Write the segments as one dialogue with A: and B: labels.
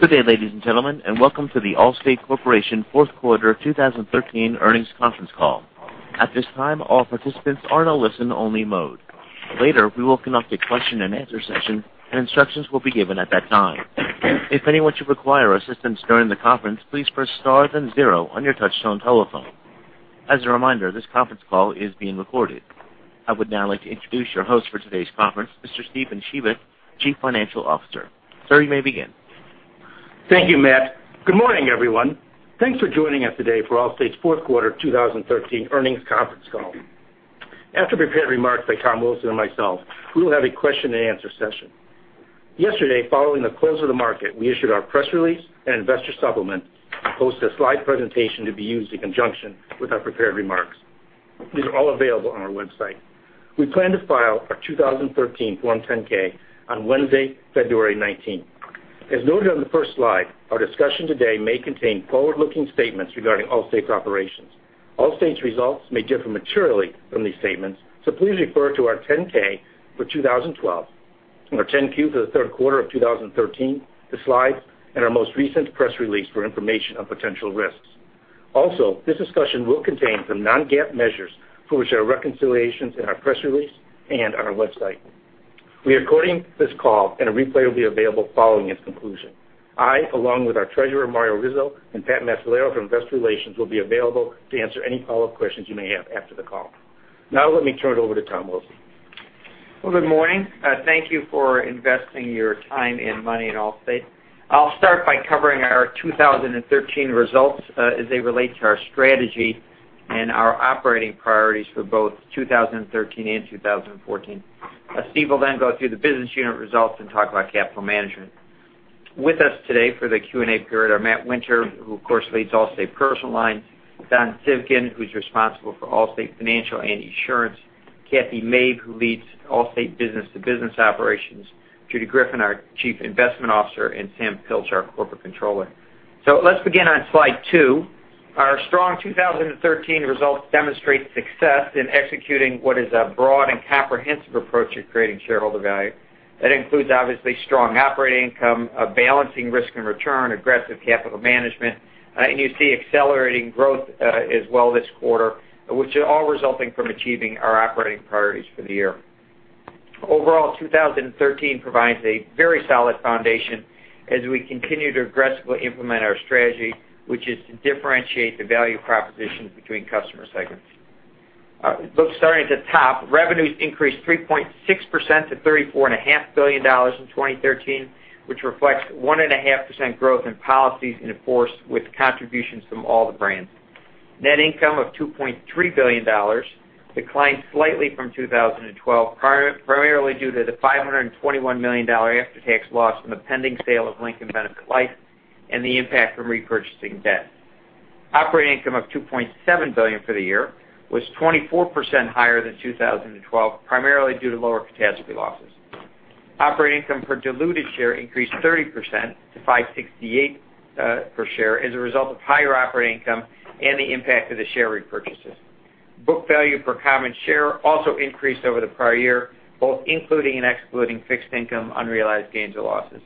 A: Good day, ladies and gentlemen. Welcome to The Allstate Corporation fourth quarter 2013 earnings conference call. At this time, all participants are in a listen-only mode. Later, we will conduct a question and answer session, and instructions will be given at that time. If anyone should require assistance during the conference, please press star then zero on your touchtone telephone. As a reminder, this conference call is being recorded. I would now like to introduce your host for today's conference, Mr. Steven Siewert, Chief Financial Officer. Sir, you may begin.
B: Thank you, Matt. Good morning, everyone. Thanks for joining us today for Allstate's fourth quarter 2013 earnings conference call. After prepared remarks by Tom Wilson and myself, we will have a question and answer session. Yesterday, following the close of the market, we issued our press release and investor supplement, plus a slide presentation to be used in conjunction with our prepared remarks. These are all available on our website. We plan to file our 2013 Form 10-K on Wednesday, February 19th. As noted on the first slide, our discussion today may contain forward-looking statements regarding Allstate's operations. Allstate's results may differ materially from these statements. Please refer to our 10-K for 2012, our 10-Q for the third quarter of 2013, the slides, and our most recent press release for information on potential risks. This discussion will contain some non-GAAP measures for which there are reconciliations in our press release and on our website. We are recording this call. A replay will be available following its conclusion. I, along with our Treasurer, Mario Rizzo, and Pat Macellaro from Investor Relations, will be available to answer any follow-up questions you may have after the call. Let me turn it over to Tom Wilson.
C: Good morning. Thank you for investing your time and money in Allstate. I'll start by covering our 2013 results as they relate to our strategy and our operating priorities for both 2013 and 2014. Steve will go through the business unit results and talk about capital management. With us today for the Q&A period are Matt Winter, who, of course, leads Allstate Personal Lines; Don Civgin, who's responsible for Allstate Financial and Esurance; Cathy Mabe, who leads Allstate business-to-business operations; Judy Greffin, our Chief Investment Officer; and Sam Pilch, our Corporate Controller. Let's begin on slide two. Our strong 2013 results demonstrate success in executing what is a broad and comprehensive approach to creating shareholder value. That includes, obviously, strong operating income, a balancing risk and return, aggressive capital management, you see accelerating growth as well this quarter, which are all resulting from achieving our operating priorities for the year. Overall, 2013 provides a very solid foundation as we continue to aggressively implement our strategy, which is to differentiate the value propositions between customer segments. Starting at the top, revenues increased 3.6% to $34.5 billion in 2013, which reflects 1.5% growth in policies in force with contributions from all the brands. Net income of $2.3 billion declined slightly from 2012, primarily due to the $521 million after-tax loss from the pending sale of Lincoln Benefit Life and the impact from repurchasing debt. Operating income of $2.7 billion for the year was 24% higher than 2012, primarily due to lower catastrophe losses. Operating income per diluted share increased 30% to $5.68 per share as a result of higher operating income and the impact of the share repurchases. Book value per common share also increased over the prior year, both including and excluding fixed income unrealized gains or losses.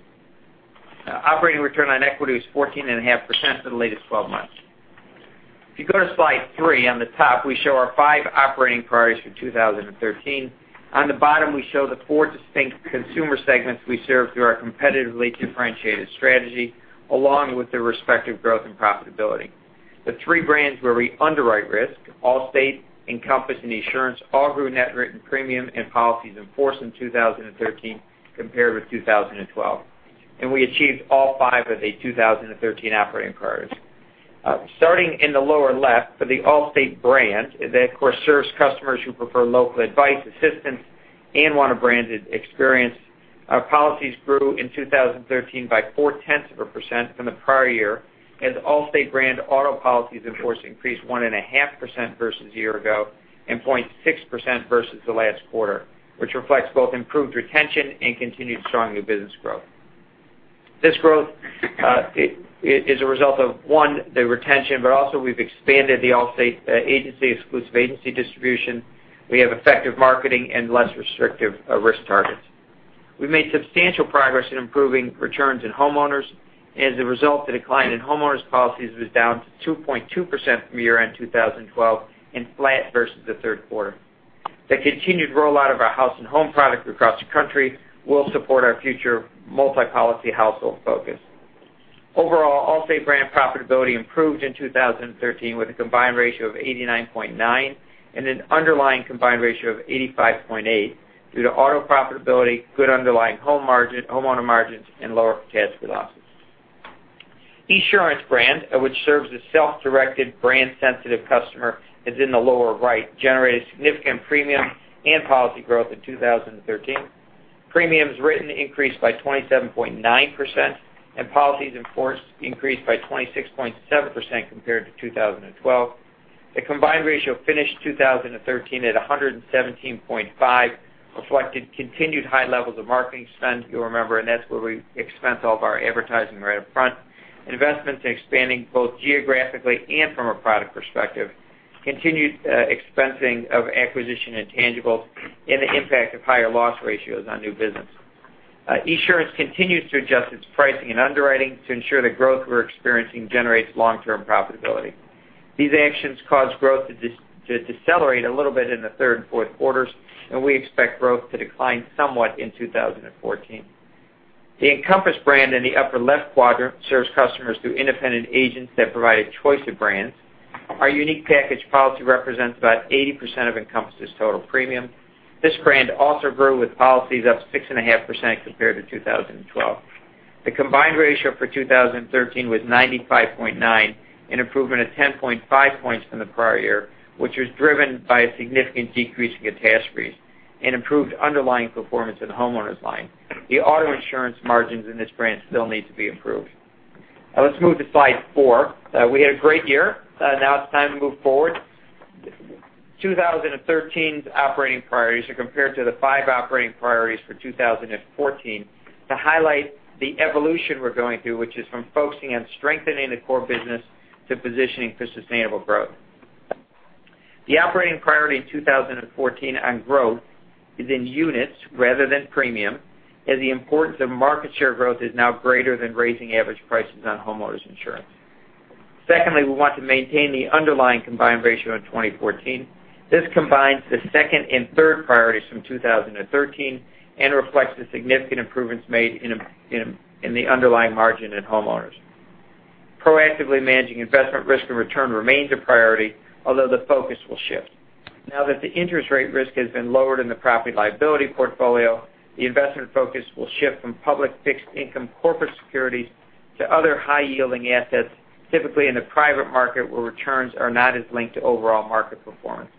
C: Operating return on equity was 14.5% for the latest 12 months. If you go to slide three, on the top, we show our five operating priorities for 2013. On the bottom, we show the four distinct consumer segments we serve through our competitively differentiated strategy, along with their respective growth and profitability. The three brands where we underwrite risk, Allstate, Encompass, and Esurance, all grew net written premium and policies in force in 2013 compared with 2012. We achieved all five of the 2013 operating priorities. Starting in the lower left, for the Allstate brand, that of course, serves customers who prefer local advice, assistance, and want a branded experience. Our policies grew in 2013 by 0.4% from the prior year, as Allstate brand auto policies in force increased 1.5% versus a year ago and 0.6% versus the last quarter, which reflects both improved retention and continued strong new business growth. This growth is a result of, one, the retention, but also we've expanded the Allstate agency exclusive agency distribution. We have effective marketing and less restrictive risk targets. We've made substantial progress in improving returns in homeowners. As a result, the decline in homeowners policies was down to 2.2% from year-end 2012 and flat versus the third quarter. The continued rollout of our Allstate House and Home product across the country will support our future multi-policy household focus. Overall, Allstate brand profitability improved in 2013 with a combined ratio of 89.9% and an underlying combined ratio of 85.8% due to auto profitability, good underlying homeowner margins, and lower catastrophe losses. Esurance brand, which serves a self-directed, brand-sensitive customer, is in the lower right, generated significant premium and policy growth in 2013. Premiums written increased by 27.9%, and policies in force increased by 26.7% compared to 2012. The combined ratio finished 2013 at 117.5%, reflecting continued high levels of marketing spend. You'll remember, that's where we expense all of our advertising right up front. Investments expanding both geographically and from a product perspective, continued expensing of acquisition and tangibles, and the impact of higher loss ratios on new business. Esurance continues to adjust its pricing and underwriting to ensure the growth we're experiencing generates long-term profitability. These actions caused growth to decelerate a little bit in the third and fourth quarters, and we expect growth to decline somewhat in 2014. The Encompass brand in the upper-left quadrant serves customers through independent agents that provide a choice of brands. Our unique package policy represents about 80% of Encompass' total premium. This brand also grew with policies up 6.5% compared to 2012. The combined ratio for 2013 was 95.9, an improvement of 10.5 points from the prior year, which was driven by a significant decrease in catastrophes and improved underlying performance in the homeowners line. The auto insurance margins in this brand still need to be improved. Now let's move to slide four. We had a great year. Now it's time to move forward. 2013's operating priorities are compared to the five operating priorities for 2014 to highlight the evolution we're going through, which is from focusing on strengthening the core business to positioning for sustainable growth. The operating priority in 2014 on growth is in units rather than premium, as the importance of market share growth is now greater than raising average prices on homeowners insurance. Secondly, we want to maintain the underlying combined ratio in 2014. This combines the second and third priorities from 2013 and reflects the significant improvements made in the underlying margin in homeowners. Proactively managing investment risk and return remains a priority, although the focus will shift. Now that the interest rate risk has been lowered in the property liability portfolio, the investment focus will shift from public fixed income corporate securities to other high-yielding assets, typically in the private market where returns are not as linked to overall market performance.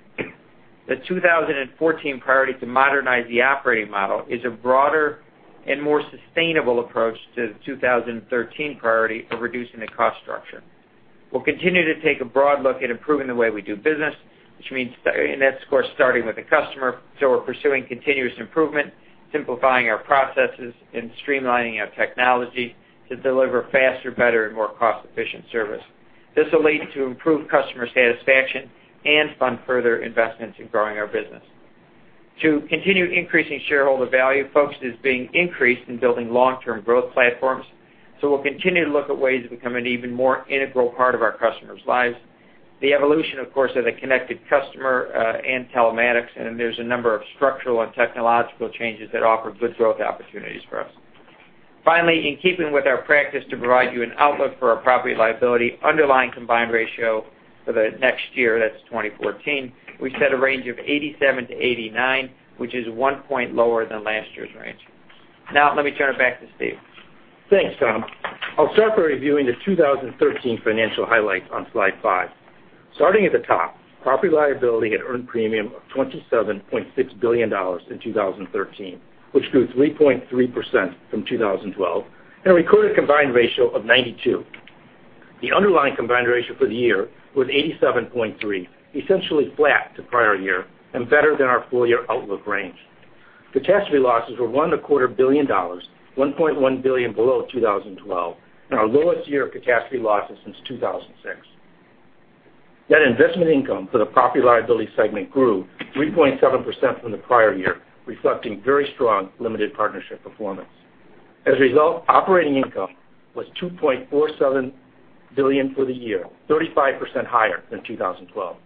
C: The 2014 priority to modernize the operating model is a broader and more sustainable approach to the 2013 priority of reducing the cost structure. We'll continue to take a broad look at improving the way we do business, which means starting with the customer. We're pursuing continuous improvement, simplifying our processes, and streamlining our technology to deliver faster, better, and more cost-efficient service. This will lead to improved customer satisfaction and fund further investments in growing our business. To continue increasing shareholder value, focus is being increased in building long-term growth platforms. We'll continue to look at ways to become an even more integral part of our customers' lives. The evolution, of course, of the connected customer and telematics, and there's a number of structural and technological changes that offer good growth opportunities for us. Finally, in keeping with our practice to provide you an outlook for our property liability underlying combined ratio for the next year, that's 2014, we set a range of 87%-89%, which is one point lower than last year's range. Now let me turn it back to Steve.
B: Thanks, Tom. I'll start by reviewing the 2013 financial highlights on slide five. Starting at the top, Property & Liability had earned premium of $27.6 billion in 2013, which grew 3.3% from 2012 and recorded a combined ratio of 92. The underlying combined ratio for the year was 87.3, essentially flat to prior year and better than our full-year outlook range. Catastrophe losses were $1.25 billion, $1.1 billion below 2012, and our lowest year of catastrophe losses since 2006. Net investment income for the Property & Liability segment grew 3.7% from the prior year, reflecting very strong limited partnership performance. Operating income was $2.47 billion for the year, 35% higher than 2012.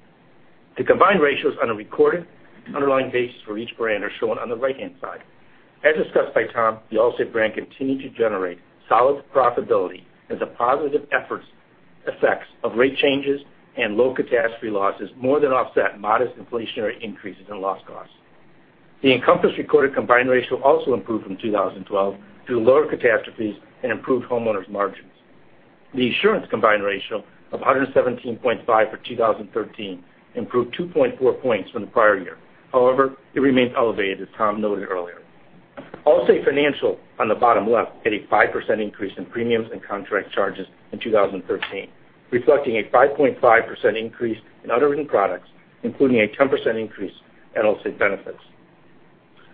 B: The combined ratios on a recorded underlying basis for each brand are shown on the right-hand side. As discussed by Tom, the Allstate brand continued to generate solid profitability as the positive effects of rate changes and low catastrophe losses more than offset modest inflationary increases in loss costs. The Encompass recorded combined ratio also improved from 2012 through lower catastrophes and improved homeowners margins. The Esurance combined ratio of 117.5 for 2013 improved 2.4 points from the prior year. It remains elevated, as Tom noted earlier. Allstate Financial, on the bottom left, had a 5% increase in premiums and contract charges in 2013, reflecting a 5.5% increase in underlying products, including a 10% increase in Allstate Benefits.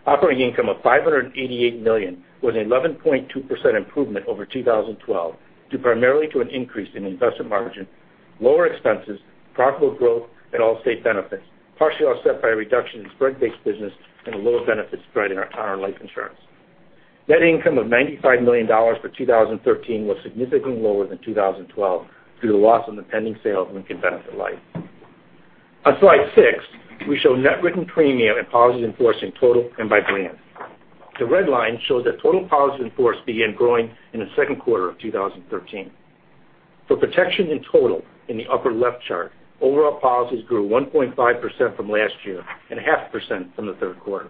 B: Operating income of $588 million was an 11.2% improvement over 2012 due primarily to an increase in investment margin, lower expenses, profitable growth in Allstate Benefits, partially offset by a reduction in spread-based business and a lower benefit spread in our conventional life insurance. Net income of $95 million for 2013 was significantly lower than 2012 due to the loss on the pending sale of Lincoln Benefit Life. On slide six, we show net written premium and policies in force in total and by brand. The red line shows that total policies in force began growing in the second quarter of 2013. For protection in total in the upper left chart, overall policies grew 1.5% from last year and 0.5% from the third quarter.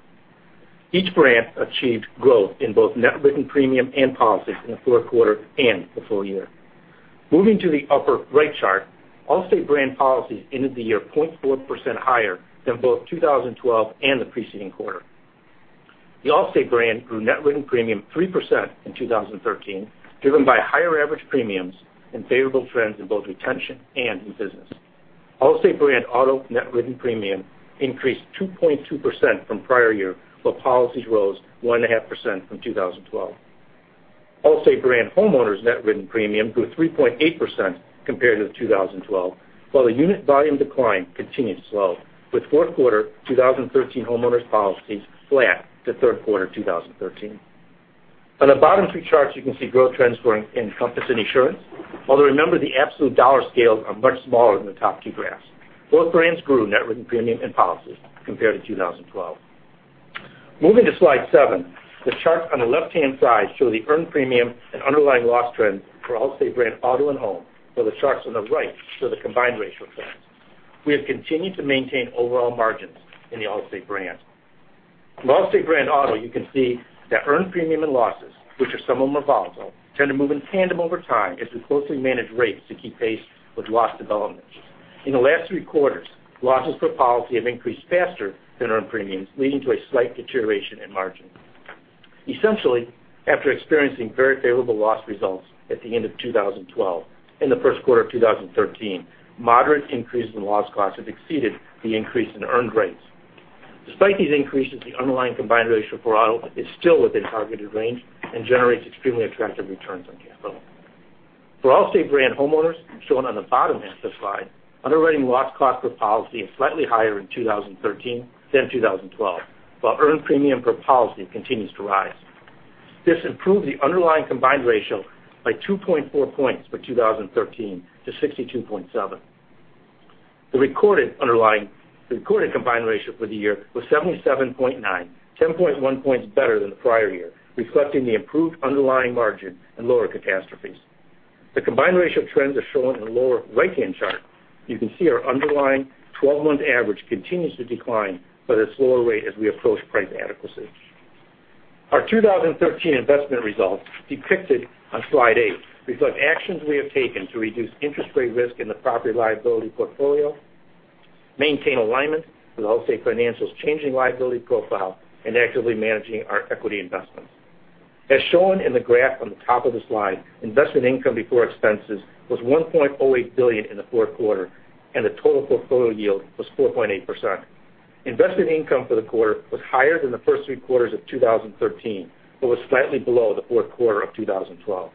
B: Each brand achieved growth in both net written premium and policies in the fourth quarter and the full year. Moving to the upper right chart, Allstate brand policies ended the year 0.4% higher than both 2012 and the preceding quarter. The Allstate brand grew net written premium 3% in 2013, driven by higher average premiums and favorable trends in both retention and new business. Allstate brand auto net written premium increased 2.2% from prior year, while policies rose 1.5% from 2012. Allstate brand homeowners net written premium grew 3.8% compared to 2012, while the unit volume decline continued slow, with fourth quarter 2013 homeowners policies flat to third quarter 2013. On the bottom two charts, you can see growth trends for Encompass and Esurance. Remember, the absolute dollar scales are much smaller than the top two graphs. Both brands grew net written premium and policies compared to 2012. Moving to slide seven, the chart on the left-hand side show the earned premium and underlying loss trend for Allstate brand auto and home, while the charts on the right show the combined ratio trends. We have continued to maintain overall margins in the Allstate brand. For Allstate brand auto, you can see that earned premium and losses, which are somewhat volatile, tend to move in tandem over time as we closely manage rates to keep pace with loss developments. In the last three quarters, losses per policy have increased faster than earned premiums, leading to a slight deterioration in margin. Essentially, after experiencing very favorable loss results at the end of 2012 and the first quarter of 2013, moderate increases in loss cost have exceeded the increase in earned rates. Despite these increases, the underlying combined ratio for auto is still within targeted range and generates extremely attractive returns on capital. For Allstate brand homeowners, shown on the bottom half of slide, underwriting loss cost per policy is slightly higher in 2013 than 2012, while earned premium per policy continues to rise. This improved the underlying combined ratio by 2.4 points for 2013 to 62.7. The recorded combined ratio for the year was 77.9, 10.1 points better than the prior year, reflecting the improved underlying margin and lower catastrophes. The combined ratio trends are shown in the lower right-hand chart. You can see our underlying 12-month average continues to decline, but at a slower rate as we approach price adequacy. Our 2013 investment results, depicted on slide eight, reflect actions we have taken to reduce interest rate risk in the Property-Liability portfolio, maintain alignment with Allstate Financial's changing liability profile, and actively managing our equity investments. As shown in the graph on the top of the slide, investment income before expenses was $1.08 billion in the fourth quarter, and the total portfolio yield was 4.8%. Investment income for the quarter was higher than the first three quarters of 2013, but was slightly below the fourth quarter of 2012.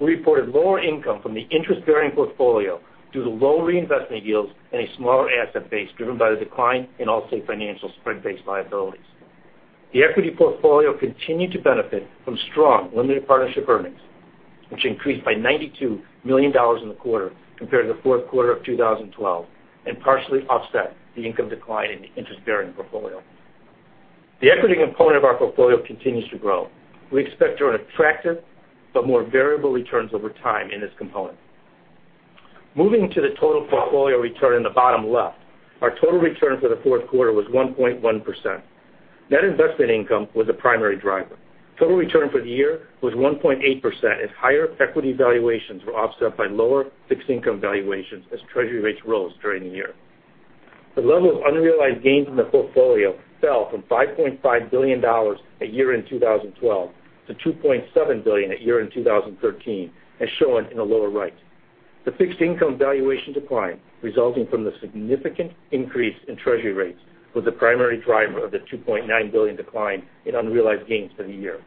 B: We reported lower income from the interest-bearing portfolio due to lower reinvestment yields and a smaller asset base driven by the decline in Allstate Financial spread-based liabilities. The equity portfolio continued to benefit from strong limited partnership earnings, which increased by $92 million in the quarter compared to the fourth quarter of 2012 and partially offset the income decline in the interest-bearing portfolio. The equity component of our portfolio continues to grow. We expect to earn attractive but more variable returns over time in this component. Moving to the total portfolio return in the bottom left, our total return for the fourth quarter was 1.1%. Net investment income was the primary driver. Total return for the year was 1.8% as higher equity valuations were offset by lower fixed income valuations as Treasury rates rose during the year. The level of unrealized gains in the portfolio fell from $5.5 billion at year-end 2012 to $2.7 billion at year-end 2013, as shown in the lower right. The fixed income valuation decline, resulting from the significant increase in Treasury rates, was the primary driver of the $2.9 billion decline in unrealized gains for the year.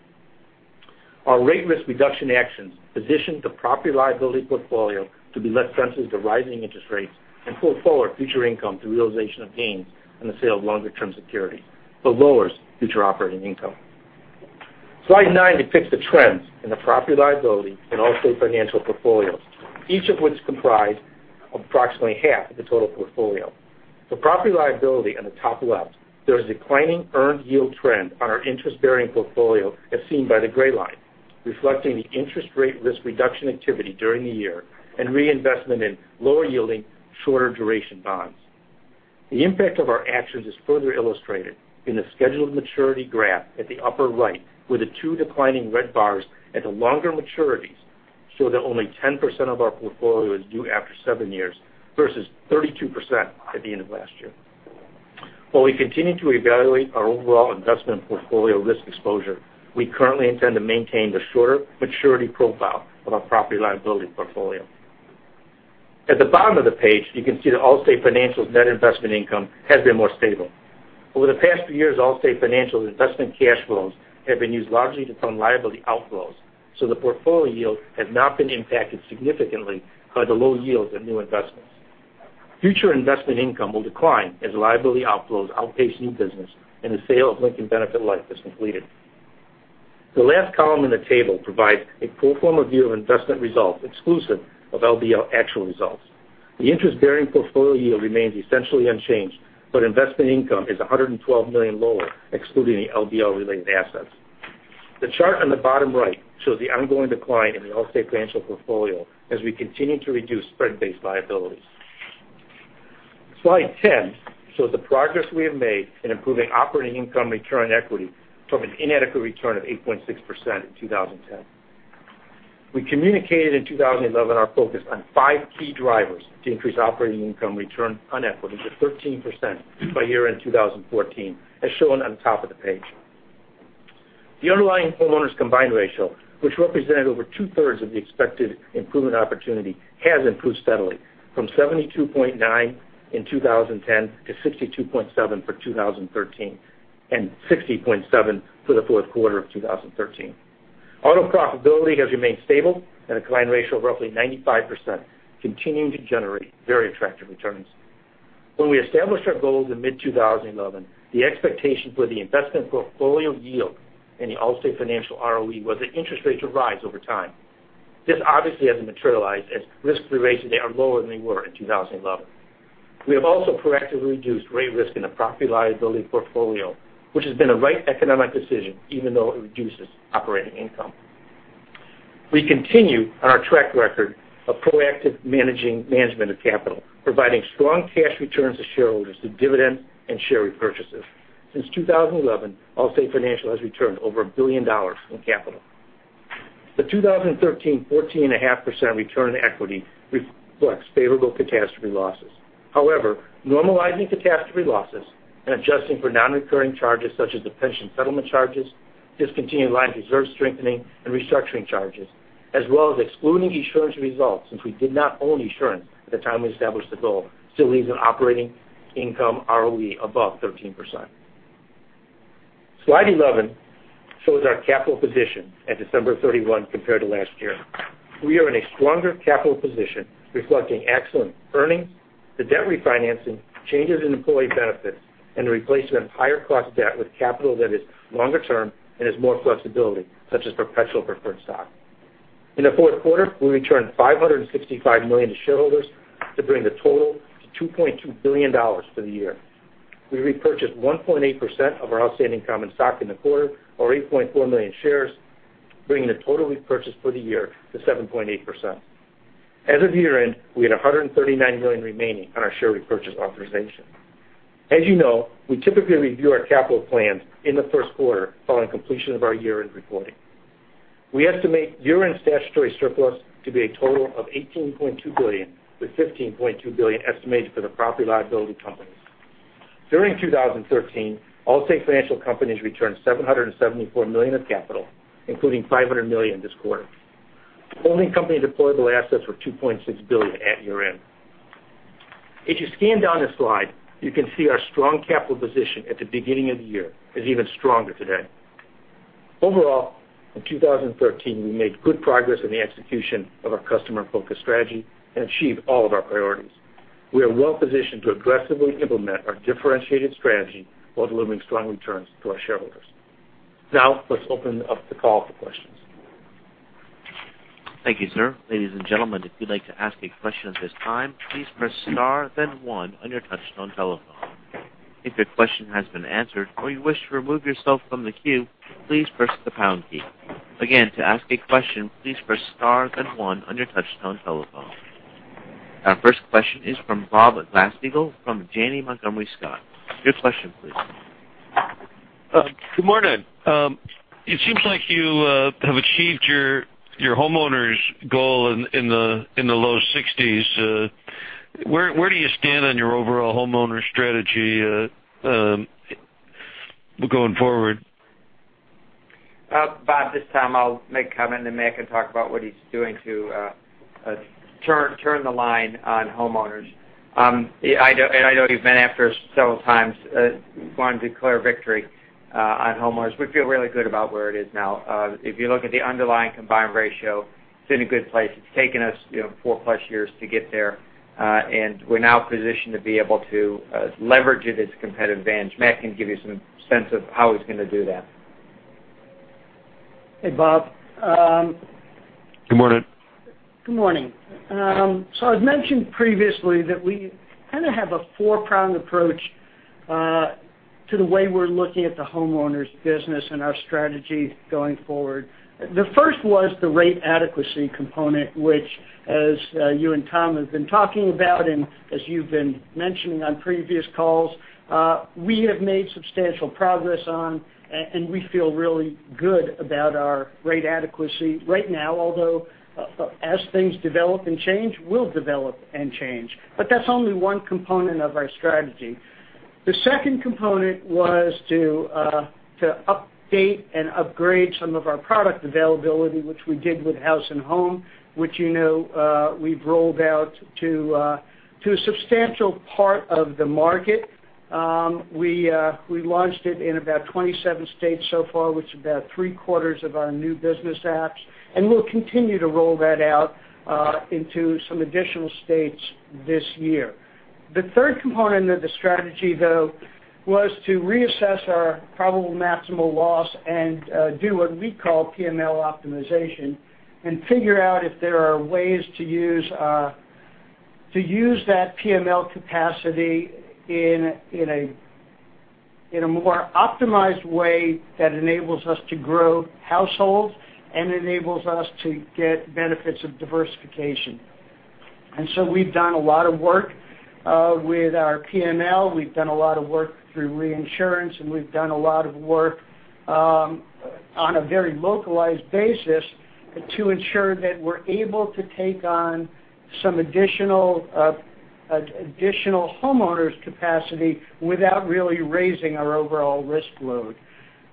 B: Our rate risk reduction actions positioned the Property-Liability portfolio to be less sensitive to rising interest rates and pull forward future income through realization of gains and the sale of longer-term securities, but lowers future operating income. Slide nine depicts the trends in the Property-Liability in Allstate Financial portfolios, each of which comprise approximately half of the total portfolio. For Property-Liability in the top left, there is a declining earned yield trend on our interest-bearing portfolio as seen by the gray line, reflecting the interest rate risk reduction activity during the year and reinvestment in lower-yielding, shorter duration bonds. The impact of our actions is further illustrated in the scheduled maturity graph at the upper right, where the two declining red bars at the longer maturities show that only 10% of our portfolio is due after seven years, versus 32% at the end of last year. While we continue to evaluate our overall investment portfolio risk exposure, we currently intend to maintain the shorter maturity profile of our Property-Liability portfolio. At the bottom of the page, you can see that Allstate Financial's net investment income has been more stable. Over the past few years, Allstate Financial's investment cash flows have been used largely to fund liability outflows. The portfolio yield has not been impacted significantly by the low yields of new investments. Future investment income will decline as liability outflows outpace new business and the sale of Lincoln Benefit Life is completed. The last column in the table provides a pro forma view of investment results exclusive of LBL actual results. The interest-bearing portfolio yield remains essentially unchanged, but investment income is $112 million lower, excluding the LBL-related assets. The chart on the bottom right shows the ongoing decline in the Allstate Financial portfolio as we continue to reduce spread-based liabilities. Slide 10 shows the progress we have made in improving operating income return on equity from an inadequate return of 8.6% in 2010. We communicated in 2011 our focus on five key drivers to increase operating income return on equity to 13% by year-end 2014, as shown on top of the page. The underlying homeowners combined ratio, which represented over two-thirds of the expected improvement opportunity, has improved steadily from 72.9 in 2010 to 62.7 for 2013, and 60.7 for the fourth quarter of 2013. Auto profitability has remained stable and a combined ratio of roughly 95%, continuing to generate very attractive returns. When we established our goal in mid-2011, the expectation for the investment portfolio yield in the Allstate Financial ROE was the interest rate to rise over time. This obviously hasn't materialized as risk-free rates today are lower than they were in 2011. We have also proactively reduced rate risk in the Property-Liability portfolio, which has been a right economic decision even though it reduces operating income. We continue on our track record of proactive management of capital, providing strong cash returns to shareholders through dividends and share repurchases. Since 2011, Allstate Financial has returned over $1 billion in capital. The 2013 14.5% return on equity reflects favorable catastrophe losses. Normalizing catastrophe losses and adjusting for non-recurring charges such as the pension settlement charges, discontinued line reserve strengthening, and restructuring charges, as well as excluding Esurance results since we did not own Esurance at the time we established the goal, still leaves an operating income ROE above 13%. Slide 11 shows our capital position at December 31 compared to last year. We are in a stronger capital position reflecting excellent earnings, the debt refinancing, changes in employee benefits, and the replacement of higher cost debt with capital that is longer term and has more flexibility, such as perpetual preferred stock. In the fourth quarter, we returned $565 million to shareholders to bring the total to $2.2 billion for the year. We repurchased 1.8% of our outstanding common stock in the quarter, or 8.4 million shares, bringing the total repurchase for the year to 7.8%. As of year-end, we had $139 million remaining on our share repurchase authorization. As you know, we typically review our capital plans in the first quarter following completion of our year-end reporting. We estimate year-end statutory surplus to be a total of $18.2 billion, with $15.2 billion estimated for the Property-Liability companies. During 2013, Allstate Financial companies returned $774 million of capital, including $500 million this quarter. Holding company deployable assets were $2.6 billion at year-end. If you scan down the slide, you can see our strong capital position at the beginning of the year is even stronger today. Overall, in 2013, we made good progress in the execution of our customer-focused strategy and achieved all of our priorities. We are well positioned to aggressively implement our differentiated strategy while delivering strong returns to our shareholders. Now, let's open up the call for questions.
A: Thank you, sir. Ladies and gentlemen, if you'd like to ask a question at this time, please press star then one on your touchtone telephone. If your question has been answered or you wish to remove yourself from the queue, please press the pound key. Again, to ask a question, please press star then one on your touchtone telephone. Our first question is from Bob Glasspiegel from Janney Montgomery Scott. Your question please.
D: Good morning. It seems like you have achieved your homeowners goal in the low 60s. Where do you stand on your overall homeowners strategy going forward?
B: Bob, this time I'll make a comment, then Matt can talk about what he's doing to turn the line on homeowners. I know you've been after us several times wanting to declare victory on homeowners. We feel really good about where it is now. If you look at the underlying combined ratio, it's in a good place. It's taken us four-plus years to get there, and we're now positioned to be able to leverage it as a competitive advantage. Matt can give you some sense of how he's going to do that.
E: Hey, Bob.
D: Good morning.
E: Good morning. I've mentioned previously that we kind of have a four-pronged approach to the way we're looking at the homeowners business and our strategy going forward. The first was the rate adequacy component, which as you and Tom have been talking about and as you've been mentioning on previous calls, we have made substantial progress on, and we feel really good about our rate adequacy right now. Although as things develop and change, we'll develop and change, but that's only one component of our strategy. The second component was to update and upgrade some of our product availability, which we did with House and Home, which you know we've rolled out to a substantial part of the market. We launched it in about 27 states so far, which is about three-quarters of our new business apps, and we'll continue to roll that out into some additional states this year. The third component of the strategy, though, was to reassess our probable maximal loss and do what we call PML optimization and figure out if there are ways to use that PML capacity in a more optimized way that enables us to grow households and enables us to get benefits of diversification. We've done a lot of work with our PML. We've done a lot of work through reinsurance, and we've done a lot of work on a very localized basis to ensure that we're able to take on some additional homeowners capacity without really raising our overall risk load.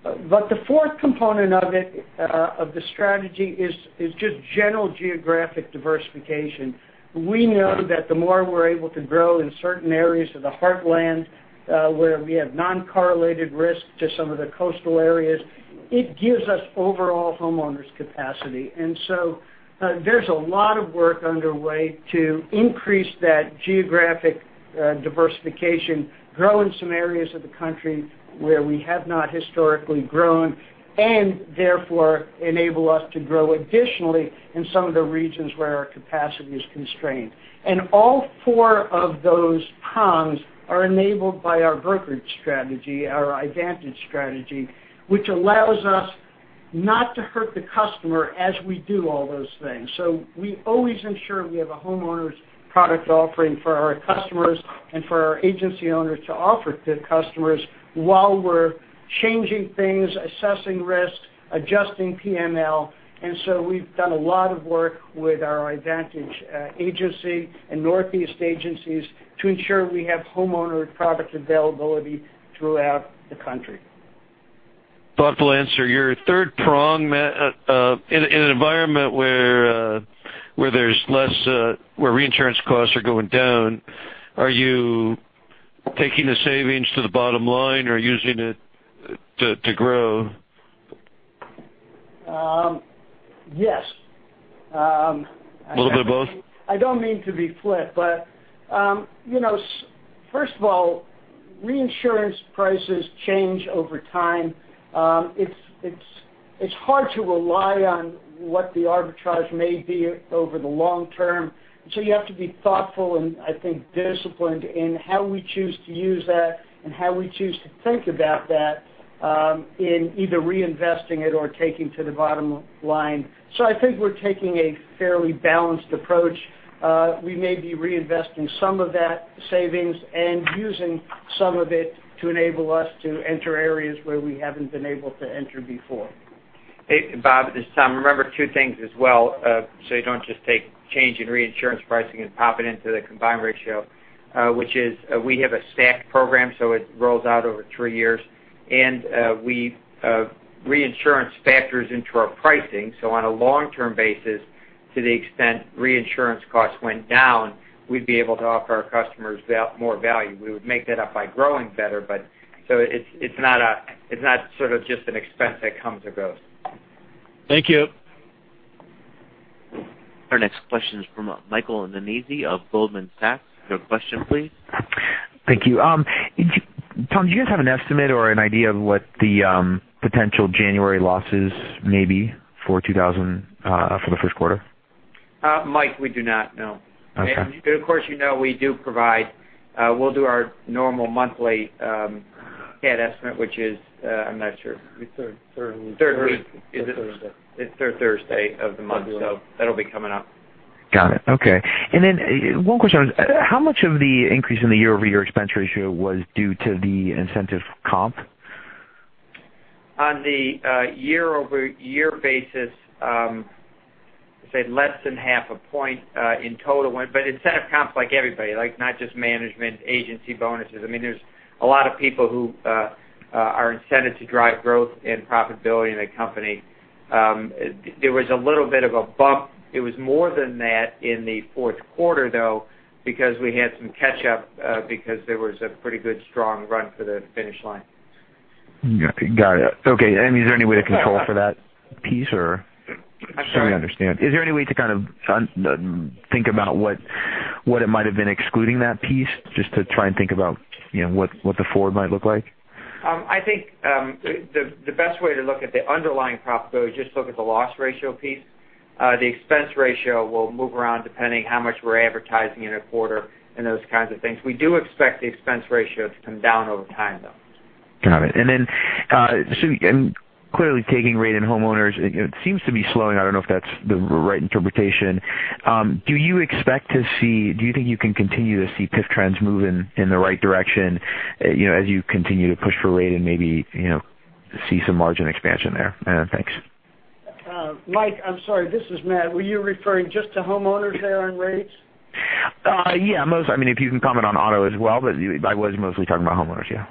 E: The fourth component of it, of the strategy, is just general geographic diversification. We know that the more we're able to grow in certain areas of the heartland, where we have non-correlated risk to some of the coastal areas, it gives us overall homeowners capacity. There's a lot of work underway to increase that geographic diversification, grow in some areas of the country where we have not historically grown, and therefore enable us to grow additionally in some of the regions where our capacity is constrained. All four of those prongs are enabled by our brokerage strategy, our Advantage strategy, which allows us not to hurt the customer as we do all those things. We always ensure we have a homeowner's product offering for our customers and for our agency owners to offer to customers while we're changing things, assessing risks, adjusting PML. We've done a lot of work with our Advantage agency and Northeast agencies to ensure we have homeowner product availability throughout the country.
D: Thoughtful answer. Your third prong, in an environment where reinsurance costs are going down, are you taking the savings to the bottom line or using it to grow?
E: Yes.
D: A little bit of both?
E: I don't mean to be flip, First of all, reinsurance prices change over time. It's hard to rely on what the arbitrage may be over the long term. You have to be thoughtful and, I think, disciplined in how we choose to use that and how we choose to think about that, in either reinvesting it or taking to the bottom line. I think we're taking a fairly balanced approach. We may be reinvesting some of that savings and using some of it to enable us to enter areas where we haven't been able to enter before.
C: Hey, Bob, it's Tom. Remember two things as well, you don't just take change in reinsurance pricing and pop it into the combined ratio, which is we have a stacked program, it rolls out over three years. Reinsurance factors into our pricing. On a long-term basis, to the extent reinsurance costs went down, we'd be able to offer our customers more value. We would make that up by growing better, but it's not sort of just an expense that comes or goes.
D: Thank you.
A: Our next question is from Michael Nannizzi of Goldman Sachs. Your question, please.
F: Thank you. Tom, do you guys have an estimate or an idea of what the potential January losses may be for 2000, for the first quarter?
C: Mike, we do not, no.
F: Okay.
C: Of course, you know we do provide, we'll do our normal monthly CAT estimate, which is, I'm not sure.
E: The third Thursday.
C: Third Thursday of the month. That'll be coming up.
F: Got it. Okay. One question, how much of the increase in the year-over-year expense ratio was due to the incentive comp?
C: On the year-over-year basis, I'd say less than half a point in total. Incentive comp's like everybody, like not just management agency bonuses. There's a lot of people who are incented to drive growth and profitability in the company. There was a little bit of a bump. It was more than that in the fourth quarter, though, because we had some catch up, because there was a pretty good strong run for the finish line.
F: Got it. Okay. Is there any way to control for that piece, or?
C: I'm sorry?
F: Just trying to understand. Is there any way to kind of think about what it might've been excluding that piece, just to try and think about what the forward might look like?
C: I think, the best way to look at the underlying profitability, just look at the loss ratio piece. The expense ratio will move around depending how much we're advertising in a quarter and those kinds of things. We do expect the expense ratio to come down over time, though.
F: Got it. Clearly taking rate in homeowners, it seems to be slowing. I don't know if that's the right interpretation. Do you think you can continue to see PIF trends move in the right direction, as you continue to push for rate and maybe see some margin expansion there? Thanks.
E: Mike, I'm sorry. This is Matt. Were you referring just to homeowners there on rates?
F: Yeah. If you can comment on auto as well, but I was mostly talking about homeowners, yeah.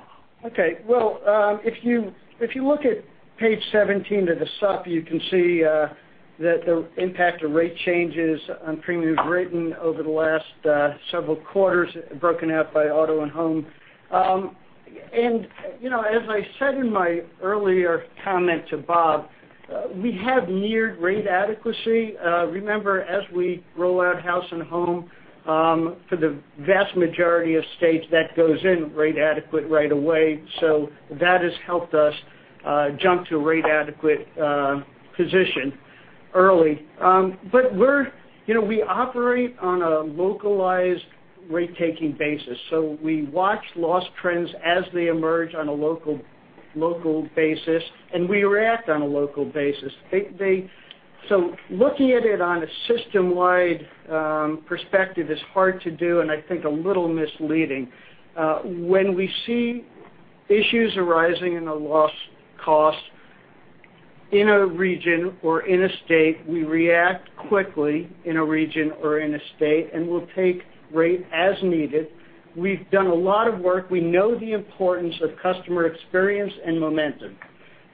E: Okay. Well, if you look at page 17 of the sup, you can see that the impact of rate changes on premiums written over the last several quarters broken out by auto and home. As I said in my earlier comment to Bob, we have neared rate adequacy. Remember, as we roll out Allstate House and Home, for the vast majority of states, that goes in rate adequate right away. That has helped us jump to a rate adequate position early. We operate on a localized rate-taking basis. We watch loss trends as they emerge on a local basis, and we react on a local basis. Looking at it on a system-wide perspective is hard to do and I think a little misleading. When we see issues arising in a loss cost In a region or in a state, we react quickly in a region or in a state, we'll take rate as needed. We've done a lot of work. We know the importance of customer experience and momentum.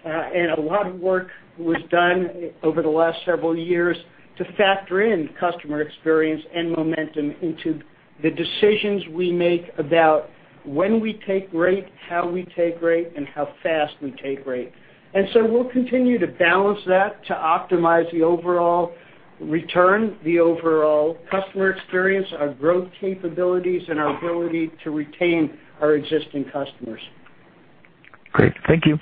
E: A lot of work was done over the last several years to factor in customer experience and momentum into the decisions we make about when we take rate, how we take rate, and how fast we take rate. We'll continue to balance that to optimize the overall return, the overall customer experience, our growth capabilities, and our ability to retain our existing customers.
F: Great. Thank you.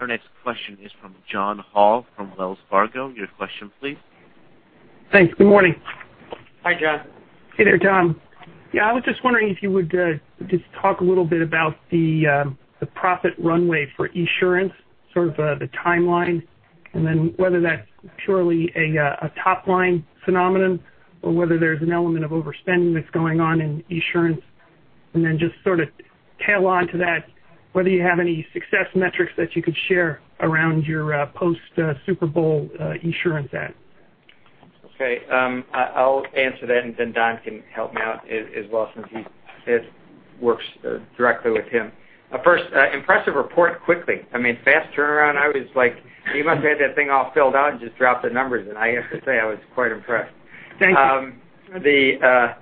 A: Our next question is from John Hall from Wells Fargo. Your question, please.
G: Thanks. Good morning.
C: Hi, John.
G: Hey there, Tom. Yeah, I was just wondering if you would just talk a little bit about the profit runway for Esurance, sort of the timeline, and then whether that's purely a top-line phenomenon or whether there's an element of overspending that's going on in Esurance. Just sort of tail on to that, whether you have any success metrics that you could share around your post-Super Bowl Esurance ad.
C: Okay. I'll answer that, and then Don can help me out as well since this works directly with him. First, impressive report quickly. Fast turnaround. I was like, you must have had that thing all filled out and just dropped the numbers, and I have to say, I was quite impressed.
G: Thank you.
C: As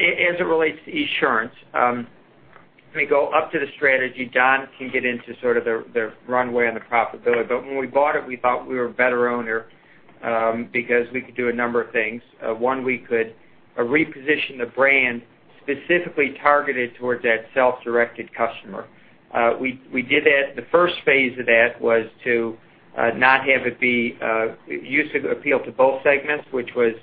C: it relates to Esurance, let me go up to the strategy. Don can get into sort of the runway and the profitability. When we bought it, we thought we were a better owner because we could do a number of things. One, we could reposition the brand specifically targeted towards that self-directed customer. We did that. The first phase of that was to not have it be used to appeal to both segments, which was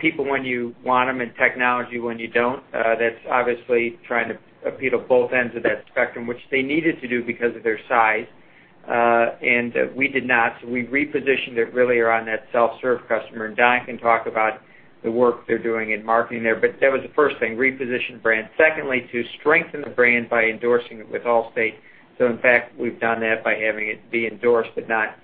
C: people when you want them and technology when you don't. That's obviously trying to appeal to both ends of that spectrum which they needed to do because of their size, and we did not. We repositioned it really around that self-serve customer, and Don can talk about the work they're doing in marketing there. That was the first thing, reposition brand. Secondly, to strengthen the brand by endorsing it with Allstate. In fact, we've done that by having it be endorsed but not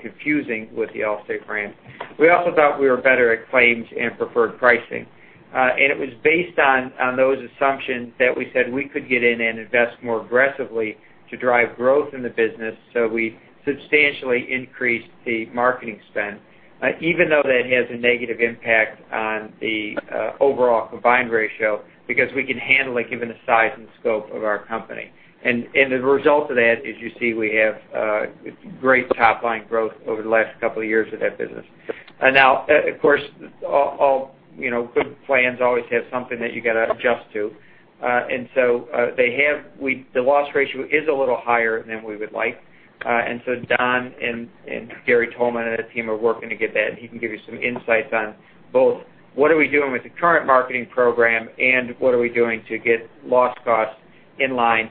C: confusing with the Allstate brand. We also thought we were better at claims and preferred pricing. It was based on those assumptions that we said we could get in and invest more aggressively to drive growth in the business. We substantially increased the marketing spend, even though that has a negative impact on the overall combined ratio because we can handle it given the size and scope of our company. The result of that is you see we have great top-line growth over the last couple of years of that business. Now, of course, all good plans always have something that you got to adjust to. The loss ratio is a little higher than we would like. Don and Gary Tolman and his team are working to get that. He can give you some insights on both what are we doing with the current marketing program and what are we doing to get loss costs in line.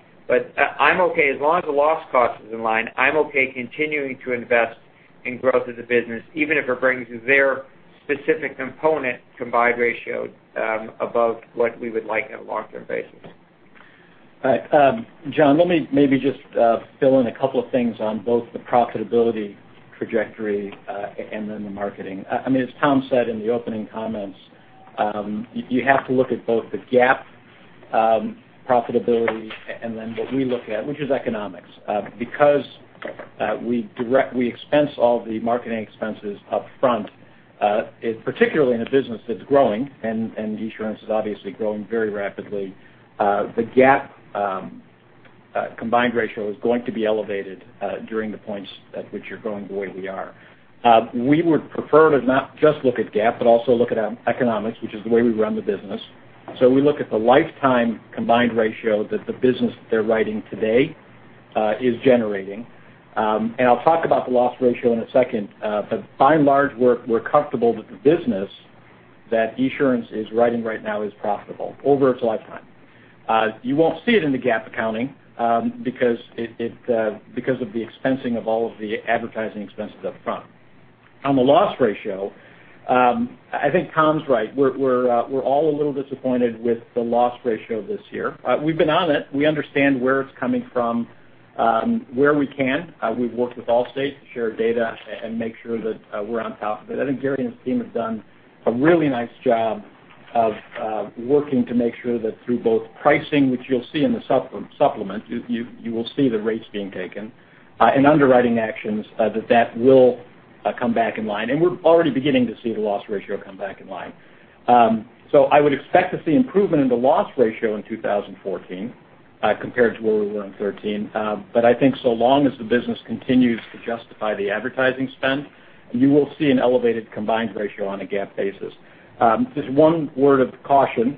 C: I'm okay. As long as the loss cost is in line, I'm okay continuing to invest in growth of the business, even if it brings their specific component combined ratio above what we would like on a long-term basis.
H: All right. John, let me maybe just fill in a couple of things on both the profitability trajectory, and then the marketing. As Tom said in the opening comments, you have to look at both the GAAP profitability and then what we look at, which is economics. Because we expense all the marketing expenses up front, particularly in a business that's growing, and Esurance is obviously growing very rapidly, the GAAP combined ratio is going to be elevated during the points at which you're growing the way we are. We would prefer to not just look at GAAP, but also look at economics, which is the way we run the business. We look at the lifetime combined ratio that the business they're writing today is generating. I'll talk about the loss ratio in a second. By and large, we're comfortable that the business that Esurance is writing right now is profitable over its lifetime. You won't see it in the GAAP accounting because of the expensing of all of the advertising expenses up front. On the loss ratio, I think Tom's right. We're all a little disappointed with the loss ratio this year. We've been on it. We understand where it's coming from. Where we can, we've worked with Allstate to share data and make sure that we're on top of it. I think Gary and his team have done a really nice job of working to make sure that through both pricing, which you'll see in the supplement, you will see the rates being taken, and underwriting actions, that that will come back in line. We're already beginning to see the loss ratio come back in line. I would expect to see improvement in the loss ratio in 2014 compared to where we were in 2013. I think so long as the business continues to justify the advertising spend, you will see an elevated combined ratio on a GAAP basis. Just one word of caution.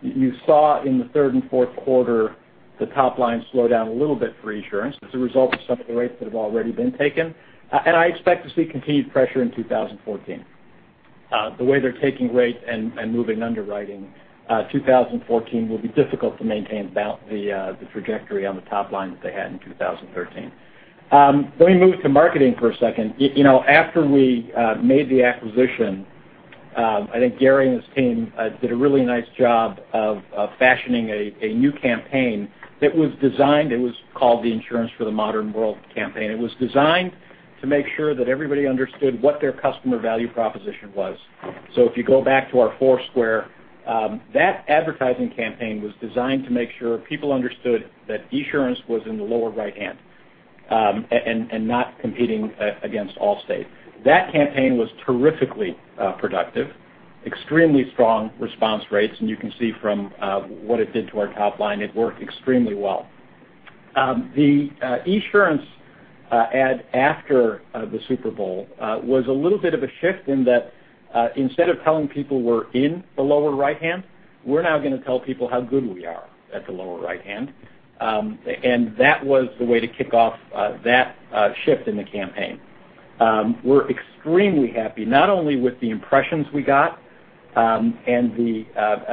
H: You saw in the third and fourth quarter the top line slow down a little bit for Esurance as a result of some of the rates that have already been taken. I expect to see continued pressure in 2014. The way they're taking rates and moving underwriting, 2014 will be difficult to maintain the trajectory on the top line that they had in 2013. Let me move to marketing for a second. After we made the acquisition I think Gary and his team did a really nice job of fashioning a new campaign that was designed. It was called the Insurance for the Modern World campaign. It was designed to make sure that everybody understood what their customer value proposition was. If you go back to our four square, that advertising campaign was designed to make sure people understood that Esurance was in the lower right hand, and not competing, against Allstate. That campaign was terrifically productive, extremely strong response rates, you can see from what it did to our top line, it worked extremely well. The Esurance ad after the Super Bowl was a little bit of a shift in that, instead of telling people we're in the lower right hand, we're now going to tell people how good we are at the lower right hand. That was the way to kick off that shift in the campaign. We're extremely happy, not only with the impressions we got, I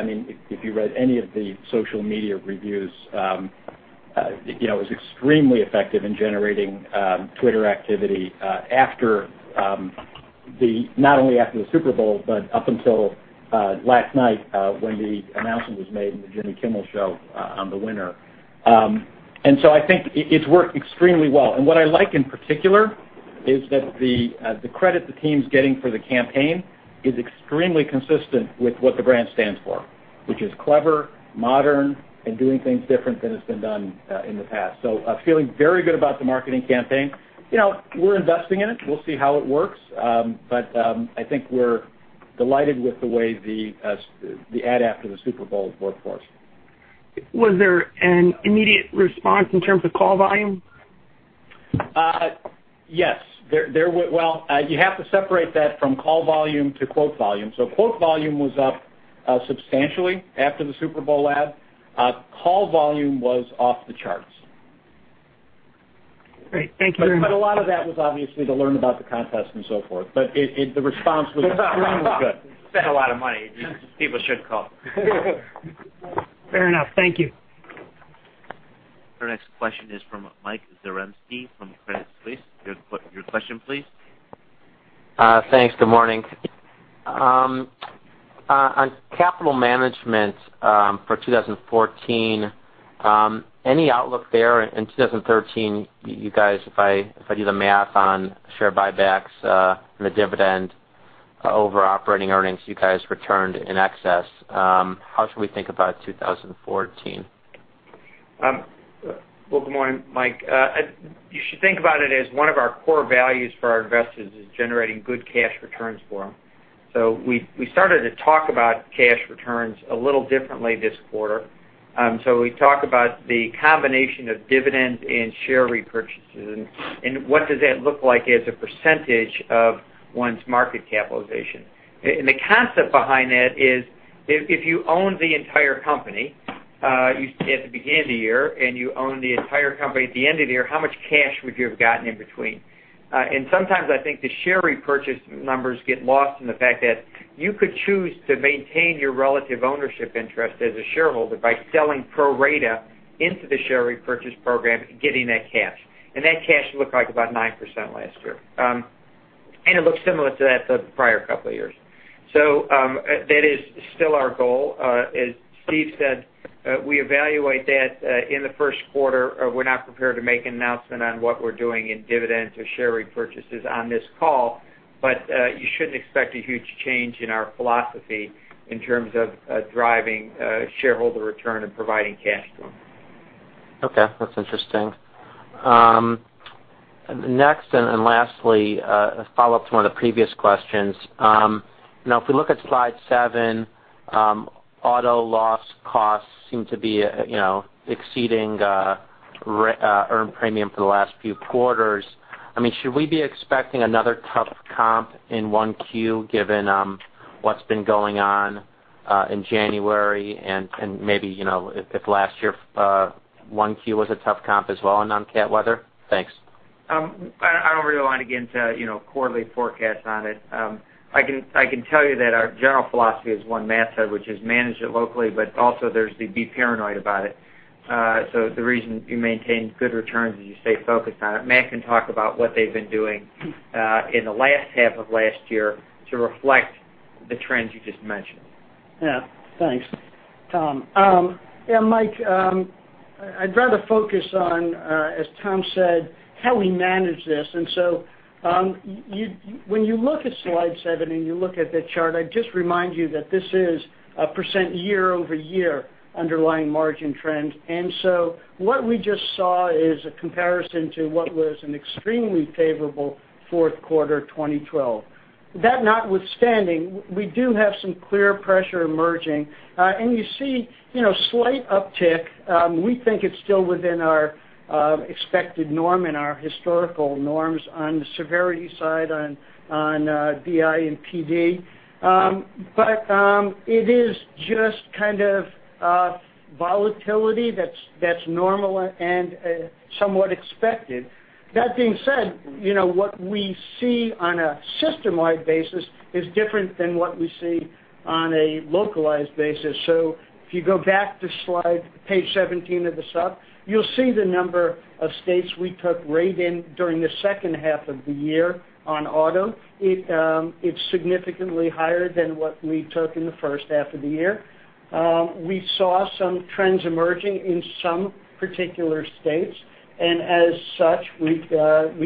H: mean, if you read any of the social media reviews, it was extremely effective in generating Twitter activity, not only after the Super Bowl, but up until last night, when the announcement was made in the Jimmy Kimmel Show, on the winner. I think it's worked extremely well. What I like in particular is that the credit the team's getting for the campaign is extremely consistent with what the brand stands for, which is clever, modern, and doing things different than it's been done in the past. Feeling very good about the marketing campaign. We're investing in it. We'll see how it works. I think we're delighted with the way the ad after the Super Bowl has worked for us.
G: Was there an immediate response in terms of call volume?
H: Yes. Well, you have to separate that from call volume to quote volume. Quote volume was up substantially after the Super Bowl ad. Call volume was off the charts.
G: Great. Thank you very much.
H: A lot of that was obviously to learn about the contest and so forth. The response was extremely good.
C: We spent a lot of money. People should call.
G: Fair enough. Thank you.
A: Our next question is from Michael Zaremski from Credit Suisse. Your question, please.
I: Thanks. Good morning. On capital management for 2014, any outlook there in 2013, you guys, if I do the math on share buybacks, and the dividend over operating earnings, you guys returned in excess. How should we think about 2014?
C: Well, good morning, Mike. You should think about it as one of our core values for our investors is generating good cash returns for them. We started to talk about cash returns a little differently this quarter. We talk about the combination of dividends and share repurchases and what does that look like as a percentage of one's market capitalization. The concept behind that is if you own the entire company, at the beginning of the year, and you own the entire company at the end of the year, how much cash would you have gotten in between? Sometimes I think the share repurchase numbers get lost in the fact that you could choose to maintain your relative ownership interest as a shareholder by selling pro rata into the share repurchase program and getting that cash. That cash looked like about 9% last year. It looks similar to that the prior couple of years. That is still our goal. As Steve said, we evaluate that in the first quarter. We're not prepared to make an announcement on what we're doing in dividends or share repurchases on this call, but you shouldn't expect a huge change in our philosophy in terms of driving shareholder return and providing cash to them.
I: Okay. That's interesting. Next and lastly, a follow-up to one of the previous questions. If we look at slide seven, auto loss costs seem to be exceeding earned premium for the last few quarters. Should we be expecting another tough comp in 1Q given what's been going on in January and maybe if last year 1Q was a tough comp as well in uncat weather? Thanks.
C: I don't really want to get into quarterly forecasts on it. I can tell you that our general philosophy is one Matt said, which is manage it locally, but also there's the be paranoid about it. The reason you maintain good returns is you stay focused on it. Matt can talk about what they've been doing in the last half of last year to reflect the trends you just mentioned.
E: Thanks, Tom. Mike, I'd rather focus on, as Tom said, how we manage this. When you look at slide seven and you look at the chart, I'd just remind you that this is a % year-over-year underlying margin trend. What we just saw is a comparison to what was an extremely favorable fourth quarter 2012. That notwithstanding, we do have some clear pressure emerging. You see slight uptick. We think it's still within our expected norm and our historical norms on the severity side on BI and PD. It is just kind of volatility that's normal and somewhat expected. That being said, what we see on a system-wide basis is different than what we see On a localized basis. If you go back to slide page 17 of the sup, you'll see the number of states we took rate in during the second half of the year on auto. It's significantly higher than what we took in the first half of the year. We saw some trends emerging in some particular states. As such, we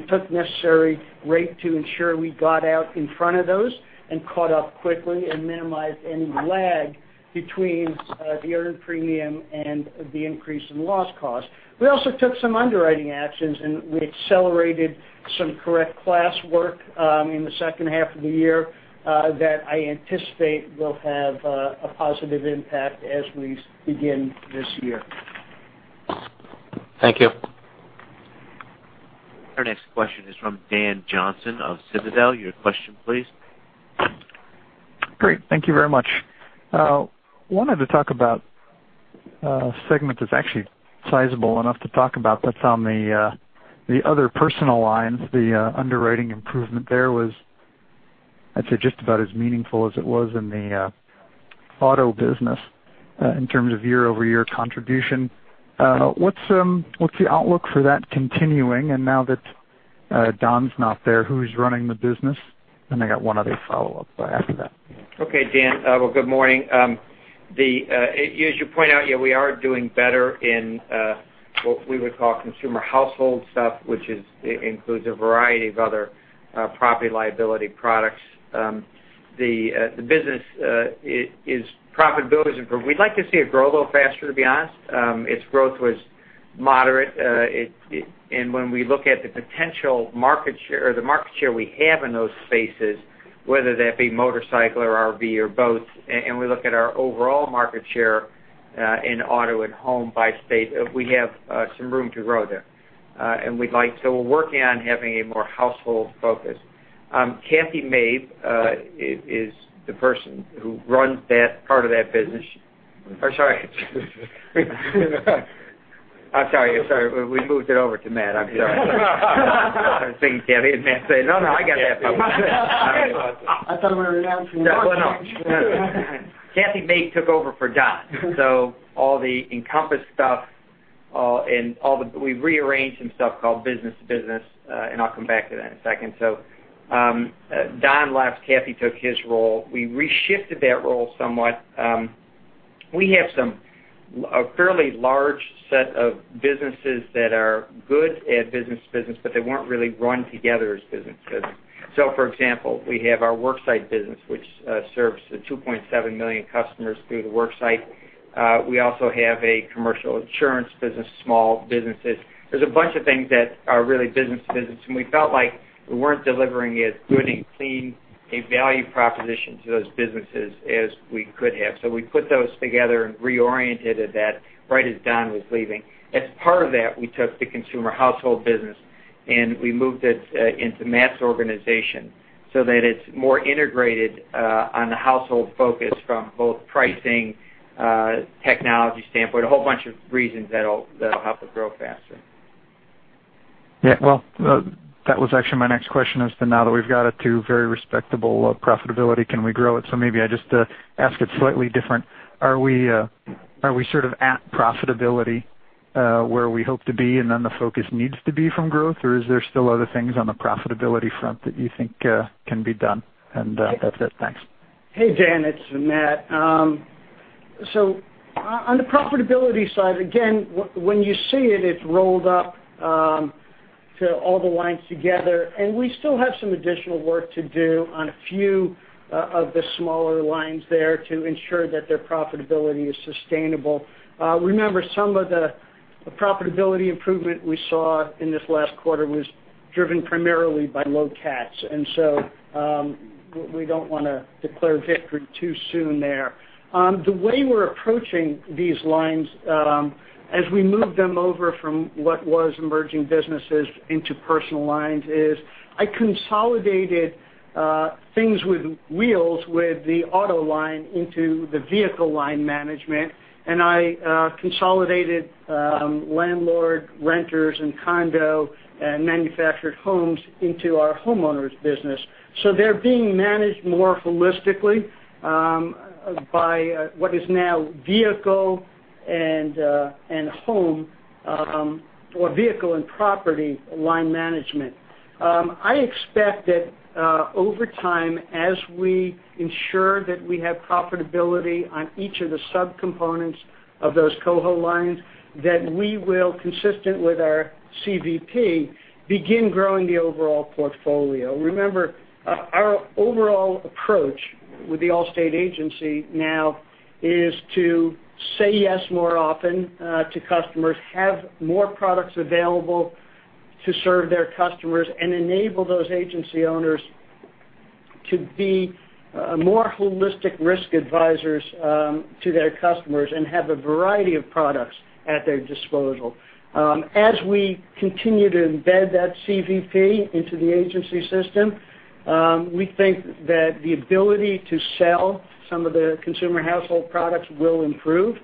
E: took necessary rate to ensure we got out in front of those and caught up quickly and minimized any lag between the earned premium and the increase in loss cost. We also took some underwriting actions, and we accelerated some correct class work in the second half of the year, that I anticipate will have a positive impact as we begin this year.
I: Thank you.
A: Our next question is from Dan Johnson of Citadel. Your question, please.
J: Great. Thank you very much. Wanted to talk about a segment that's actually sizable enough to talk about that's on the other Personal Lines, the underwriting improvement there was, I'd say, just about as meaningful as it was in the auto business in terms of year-over-year contribution. What's the outlook for that continuing? Now that Don's not there, who's running the business? I got one other follow-up after that.
C: Okay. Dan, well, good morning. As you point out, yeah, we are doing better in what we would call consumer household stuff, which includes a variety of other Property-Liability products. The business' profitability has improved. We'd like to see it grow a little faster, to be honest. Its growth was moderate. When we look at the potential market share or the market share we have in those spaces, whether that be motorcycle or RV or both, and we look at our overall market share in auto and home by state, we have some room to grow there. We'd like to. We're working on having a more household focus. Cathy Mabe is the person who runs that part of that business. Or, sorry. I'm sorry. We moved it over to Matt. I'm sorry. I was thinking Cathy, Matt said, "No, I got Cathy." Cathy Mabe took over for Don. All the Encompass stuff, we've rearranged some stuff called business to business, I'll come back to that in a second. Don left, Cathy took his role. We reshifted that role somewhat. We have a fairly large set of businesses that are good at business to business, but they weren't really run together as business to business. For example, we have our worksite business, which serves the 2.7 million customers through the worksite. We also have a commercial insurance business, small businesses. There's a bunch of things that are really business to business, we felt like we weren't delivering as good and clean a value proposition to those businesses as we could have. We put those together and reoriented that right as Don was leaving. As part of that, we took the consumer household business, we moved it into Matt's organization so that it's more integrated on the household focus from both pricing, technology standpoint, a whole bunch of reasons that'll help us grow faster.
J: Yeah. Well, that was actually my next question as to now that we've got it to very respectable profitability, can we grow it? Maybe I just ask it slightly different. Are we sort of at profitability, where we hope to be, and then the focus needs to be from growth? Is there still other things on the profitability front that you think can be done? That's it. Thanks.
E: Hey, Dan, it's Matt. On the profitability side, again, when you see it's rolled up to all the lines together, and we still have some additional work to do on a few of the smaller lines there to ensure that their profitability is sustainable. Remember, some of the profitability improvement we saw in this last quarter was driven primarily by low CATs. We don't want to declare victory too soon there. The way we're approaching these lines as we move them over from what was emerging businesses into Personal Lines is I consolidated things with wheels with the auto line into the vehicle line management, and I consolidated landlord, renters, and condo and manufactured homes into our homeowners business. They're being managed more holistically by what is now vehicle and home or vehicle and property line management.
C: I expect that over time, as we ensure that we have profitability on each of the subcomponents of those coho lines, that we will, consistent with our CVP, begin growing the overall portfolio. Remember, our overall approach with the Allstate agency now is to say yes more often to customers, have more products available to serve their customers, and enable those agency owners to be more holistic risk advisors to their customers and have a variety of products at their disposal. As we continue to embed that CVP into the agency system, we think that the ability to sell some of the consumer household products will improve.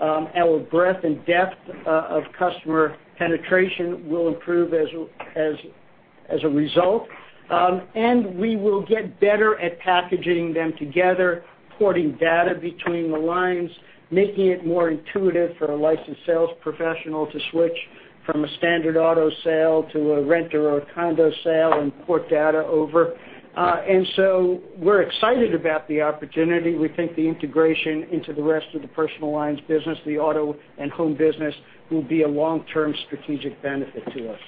C: Our breadth and depth of customer penetration will improve as
E: As a result, we will get better at packaging them together, porting data between the lines, making it more intuitive for a licensed sales professional to switch from a standard auto sale to a renter or a condo sale and port data over. We're excited about the opportunity. We think the integration into the rest of the Personal Lines business, the auto and home business, will be a long-term strategic benefit to us.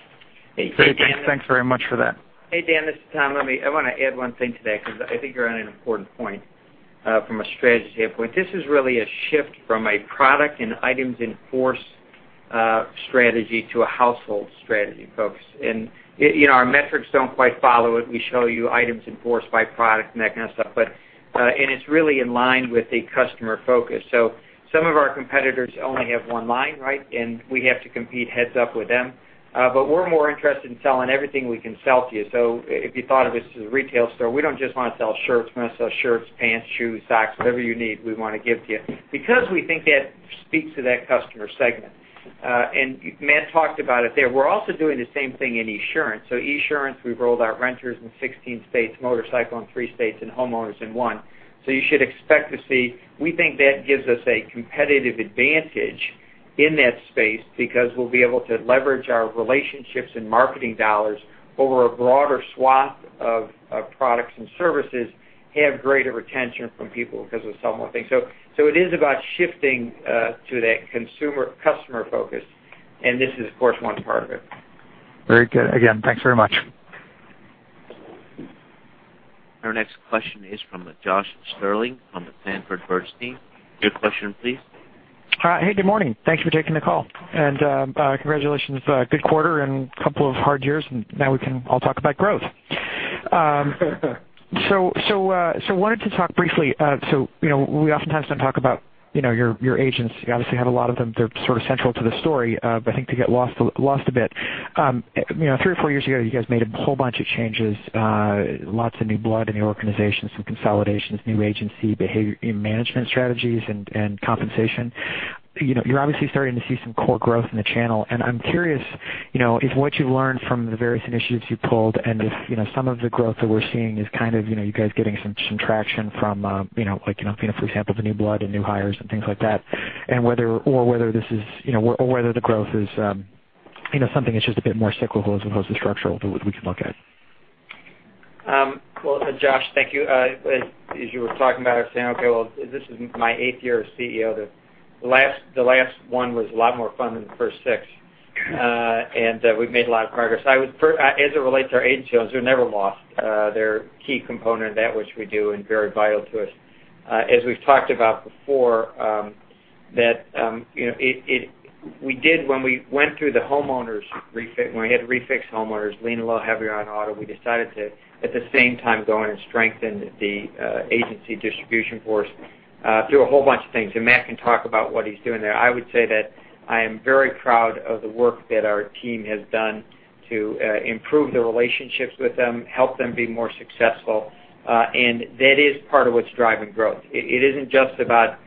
C: Hey, Dan.
J: Very good. Thanks very much for that.
C: Hey, Dan, this is Tom. I want to add one thing to that because I think you're on an important point from a strategy standpoint. This is really a shift from a product and policies in force strategy to a household strategy focus. Our metrics don't quite follow it. We show you policies in force by product and that kind of stuff, and it's really in line with a customer focus. Some of our competitors only have one line, right? We have to compete heads up with them. We're more interested in selling everything we can sell to you. If you thought of us as a retail store, we don't just want to sell shirts. We want to sell shirts, pants, shoes, socks, whatever you need, we want to give to you because we think that speaks to that customer segment. Matt talked about it there. We're also doing the same thing in Esurance. Esurance, we've rolled out renters in 16 states, motorcycle in three states, and homeowners in one. You should expect to see, we think that gives us a competitive Advantage in that space because we'll be able to leverage our relationships and marketing dollars over a broader swath of products and services, have greater retention from people because we sell more things. It is about shifting to that consumer-customer focus. This is, of course, one part of it.
J: Very good. Again, thanks very much.
A: Our next question is from Josh Stirling from the Sanford Bernstein. Your question please.
K: Hi. Hey, good morning. Thanks for taking the call and congratulations. Good quarter and couple of hard years, and now we can all talk about growth. Wanted to talk briefly. We oftentimes don't talk about your agents. You obviously have a lot of them. They're sort of central to the story, but I think they get lost a bit. Three or four years ago, you guys made a whole bunch of changes, lots of new blood in the organization, some consolidations, new agency behavior in management strategies and compensation. You're obviously starting to see some core growth in the channel, and I'm curious if what you've learned from the various initiatives you pulled and if some of the growth that we're seeing is kind of you guys getting some traction from, for example, the new blood and new hires and things like that, or whether the growth is something that's just a bit more cyclical as opposed to structural, that we can look at.
C: Well, Josh, thank you. As you were talking about it, I was saying, okay, well, this is my 8th year as CEO. The last one was a lot more fun than the first 6. We've made a lot of progress. As it relates to our agent channels, they're never lost. They're a key component of that which we do and very vital to us. As we've talked about before, when we had to refix homeowners, lean a little heavier on auto, we decided to, at the same time, go in and strengthen the agency distribution force through a whole bunch of things. Matt can talk about what he's doing there. I would say that I am very proud of the work that our team has done to improve the relationships with them, help them be more successful. That is part of what's driving growth. It isn't just about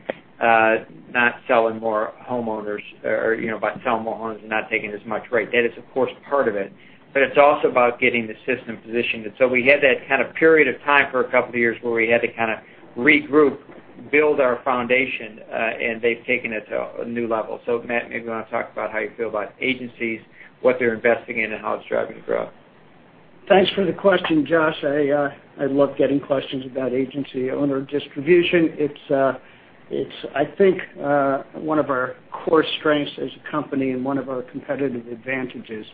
C: selling more homes and not taking as much rate. That is, of course, part of it, but it's also about getting the system positioned. We had that kind of period of time for a couple of years where we had to kind of regroup, build our foundation, and they've taken it to a new level. Matt, maybe you want to talk about how you feel about agencies, what they're investing in, and how it's driving growth.
E: Thanks for the question, Josh. I love getting questions about agency owner distribution. It's, I think, one of our core strengths as a company and one of our competitive advantages.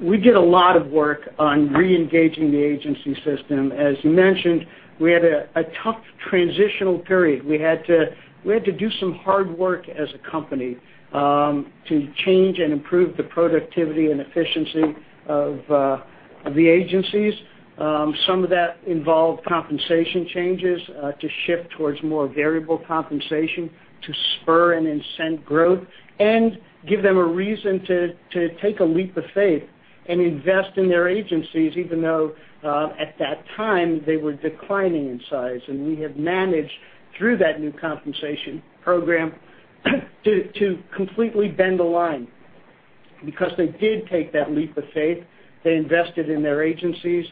E: We did a lot of work on reengaging the agency system. As you mentioned, we had a tough transitional period. We had to do some hard work as a company to change and improve the productivity and efficiency of the agencies. Some of that involved compensation changes to shift towards more variable compensation to spur and incent growth and give them a reason to take a leap of faith and invest in their agencies, even though at that time they were declining in size. We have managed through that new compensation program to completely bend the line because they did take that leap of faith. They invested in their agencies.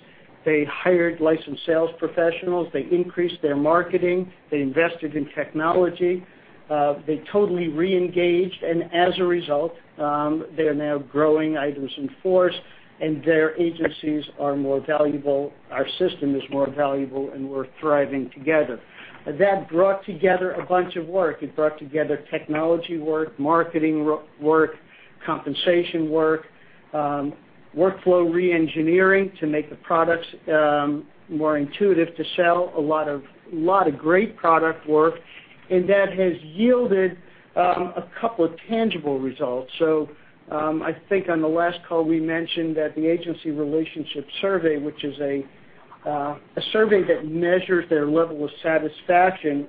E: They hired licensed sales professionals. They increased their marketing. They invested in technology. They totally reengaged, and as a result, they are now growing items in force, and their agencies are more valuable. Our system is more valuable, and we're thriving together. That brought together a bunch of work. It brought together technology work, marketing work, compensation work, workflow reengineering to make the products more intuitive to sell, a lot of great product work. That has yielded 2 tangible results. I think on the last call we mentioned that the agency relationship survey, which is a survey that measures their level of satisfaction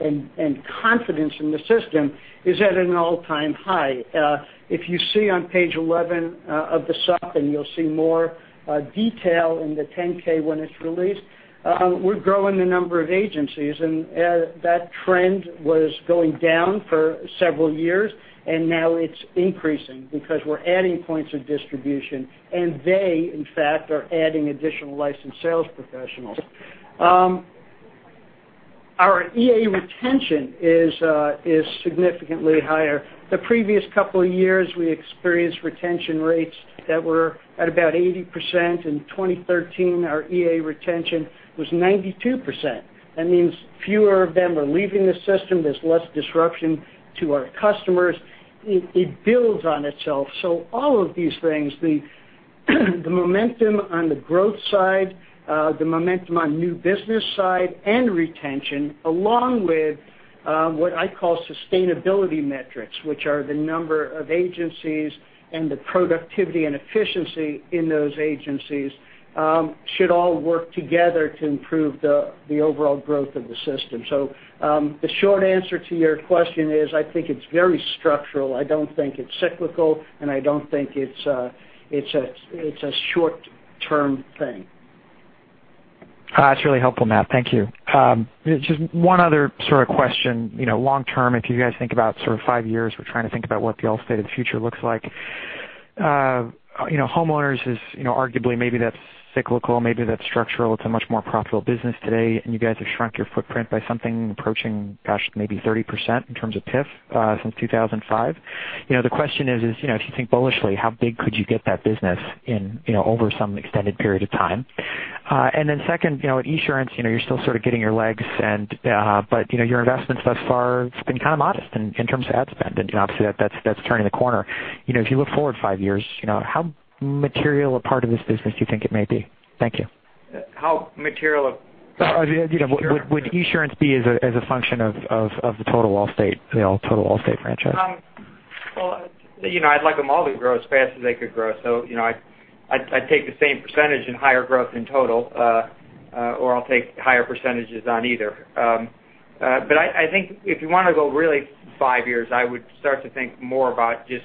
E: and confidence in the system, is at an all-time high. If you see on page 11 of the supplement, you'll see more detail in the 10-K when it's released. We're growing the number of agencies. That trend was going down for several years, and now it's increasing because we're adding points of distribution. They, in fact, are adding additional licensed sales professionals. Our EA retention is significantly higher. The previous couple of years, we experienced retention rates that were at about 80%. In 2013, our EA retention was 92%. That means fewer of them are leaving the system. There's less disruption to our customers. It builds on itself. All of these things, the momentum on the growth side, the momentum on new business side, and retention, along with what I call sustainability metrics, which are the number of agencies and the productivity and efficiency in those agencies, should all work together to improve the overall growth of the system. The short answer to your question is, I think it's very structural. I don't think it's cyclical, and I don't think it's a short-term thing.
K: That's really helpful, Matt. Thank you. Just one other sort of question. Long term, if you guys think about sort of five years, we're trying to think about what the Allstate of the future looks like. Homeowners is arguably maybe that's cyclical, maybe that's structural. It's a much more profitable business today. You guys have shrunk your footprint by something approaching, gosh, maybe 30% in terms of PIF, since 2005. The question is, if you think bullishly, how big could you get that business over some extended period of time? Then second, at Esurance, you're still sort of getting your legs, but your investments thus far, it's been kind of modest in terms of ad spend. Obviously that's turning the corner. If you look forward five years, how material a part of this business do you think it may be? Thank you.
C: How material of-
K: Would Esurance be as a function of the total Allstate franchise?
C: Well, I'd like them all to grow as fast as they could grow. I'd take the same percentage in higher growth in total, or I'll take higher percentages on either. I think if you want to go really five years, I would start to think more about just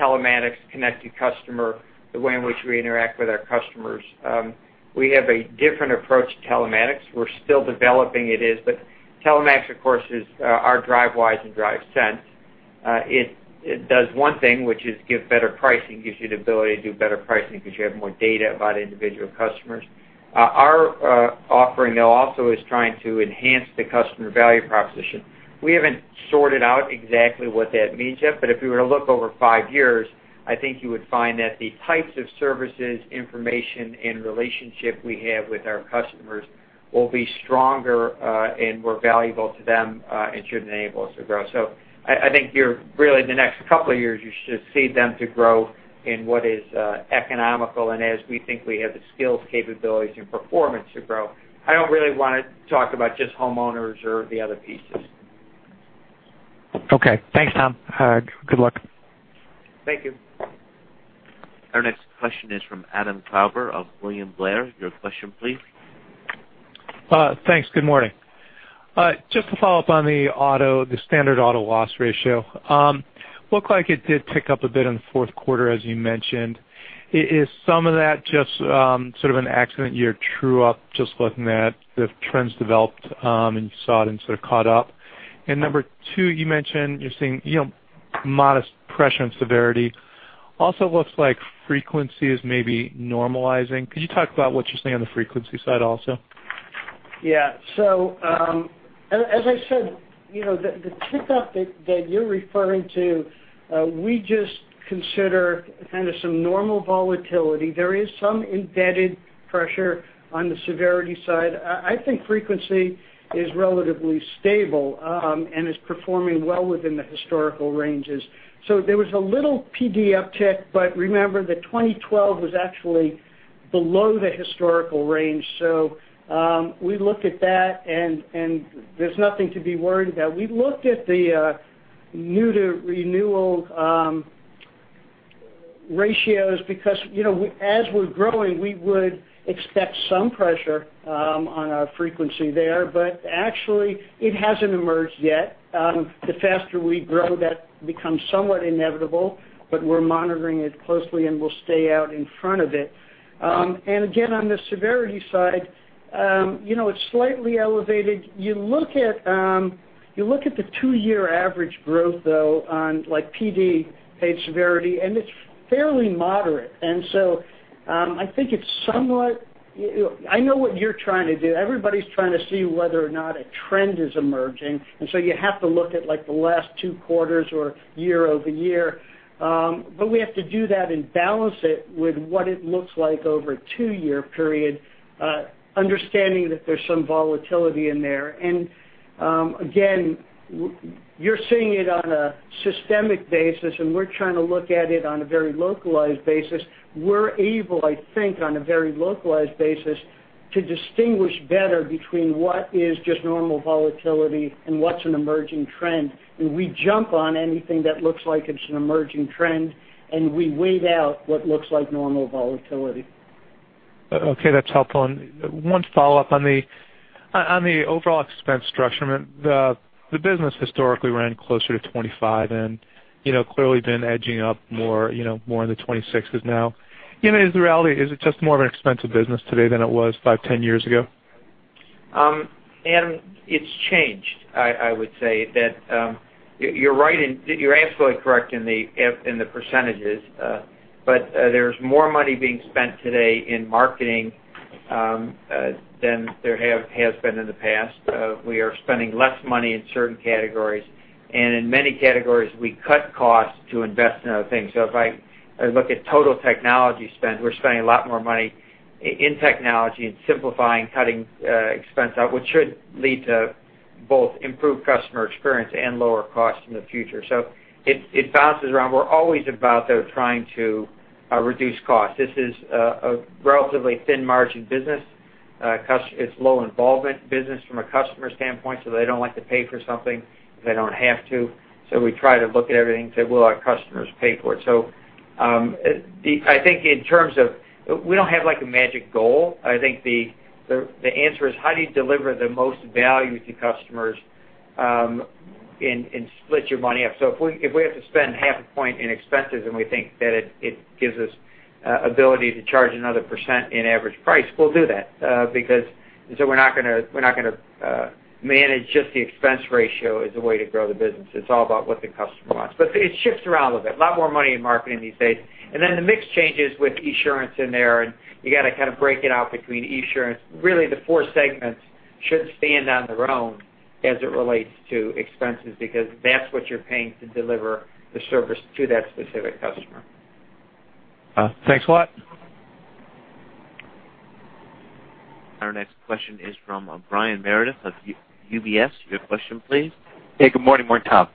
C: telematics, connected customer, the way in which we interact with our customers. We have a different approach to telematics. We're still developing it is, but telematics, of course, is our Drivewise and DriveSense. It does one thing, which is give better pricing, gives you the ability to do better pricing because you have more data about individual customers. Our offering, though, also is trying to enhance the customer value proposition. We haven't sorted out exactly what that means yet, but if we were to look over five years, I think you would find that the types of services, information, and relationship we have with our customers will be stronger, and more valuable to them, and should enable us to grow. I think you're really, the next couple of years, you should see them to grow in what is economical and as we think we have the skills, capabilities, and performance to grow. I don't really want to talk about just homeowners or the other pieces.
K: Okay. Thanks, Tom. Good luck.
C: Thank you.
A: Our next question is from Adam Klauber of William Blair. Your question, please.
L: Thanks. Good morning. Just to follow up on the standard auto loss ratio. Looked like it did tick up a bit in the fourth quarter, as you mentioned. Is some of that just sort of an accident year true-up, just looking at the trends developed, and you saw it and sort of caught up? Number 2, you mentioned you're seeing modest pressure and severity. Also looks like frequency is maybe normalizing. Could you talk about what you're seeing on the frequency side also?
C: Yeah. As I said, the tick up that you're referring to, we just consider kind of some normal volatility. There is some embedded pressure on the severity side. I think frequency is relatively stable, and is performing well within the historical ranges. There was a little PD tick, but remember that 2012 was actually below the historical range. We looked at that, and there's nothing to be worried about. We looked at the new to renewal ratios because as we're growing, we would expect some pressure on our frequency there, but actually it hasn't emerged yet. The faster we grow, that becomes somewhat inevitable, but we're monitoring it closely, and we'll stay out in front of it. Again, on the severity side, it's slightly elevated. You look at the two-year average growth, though, on PD paid severity, and it's fairly moderate.
E: I think it's I know what you're trying to do. Everybody's trying to see whether or not a trend is emerging, and so you have to look at the last two quarters or year-over-year. We have to do that and balance it with what it looks like over a two-year period, understanding that there's some volatility in there. Again, you're seeing it on a systemic basis, and we're trying to look at it on a very localized basis. We're able, I think, on a very localized basis, to distinguish better between what is just normal volatility and what's an emerging trend. We jump on anything that looks like it's an emerging trend, and we wait out what looks like normal volatility.
L: Okay, that's helpful. One follow-up on the overall expense structure. The business historically ran closer to 25%, and clearly been edging up more in the 26% now. Is the reality, is it just more of an expensive business today than it was five, 10 years ago?
C: It's changed. I would say that you're absolutely correct in the percentages, but there's more money being spent today in marketing than there has been in the past. We are spending less money in certain categories, and in many categories, we cut costs to invest in other things. If I look at total technology spend, we're spending a lot more money in technology, in simplifying, cutting expense out, which should lead to both improved customer experience and lower costs in the future. It bounces around. We're always about, though, trying to reduce cost. This is a relatively thin margin business. It's low involvement business from a customer standpoint, so they don't like to pay for something if they don't have to. We try to look at everything, say, "Will our customers pay for it?" I think we don't have a magic goal. I think the answer is how do you deliver the most value to customers, and split your money up? If we have to spend half a point in expenses, and we think that it gives us ability to charge another % in average price, we'll do that. We're not going to manage just the expense ratio as a way to grow the business. It's all about what the customer wants. It shifts around a little bit. A lot more money in marketing these days. Then the mix changes with Esurance in there, and you got to kind of break it out between Esurance. Really, the four segments should stand on their own as it relates to expenses, because that's what you're paying to deliver the service to that specific customer.
L: Thanks a lot.
A: Our next question is from Brian Meredith of UBS. Your question, please.
M: Hey, good morning, Tom.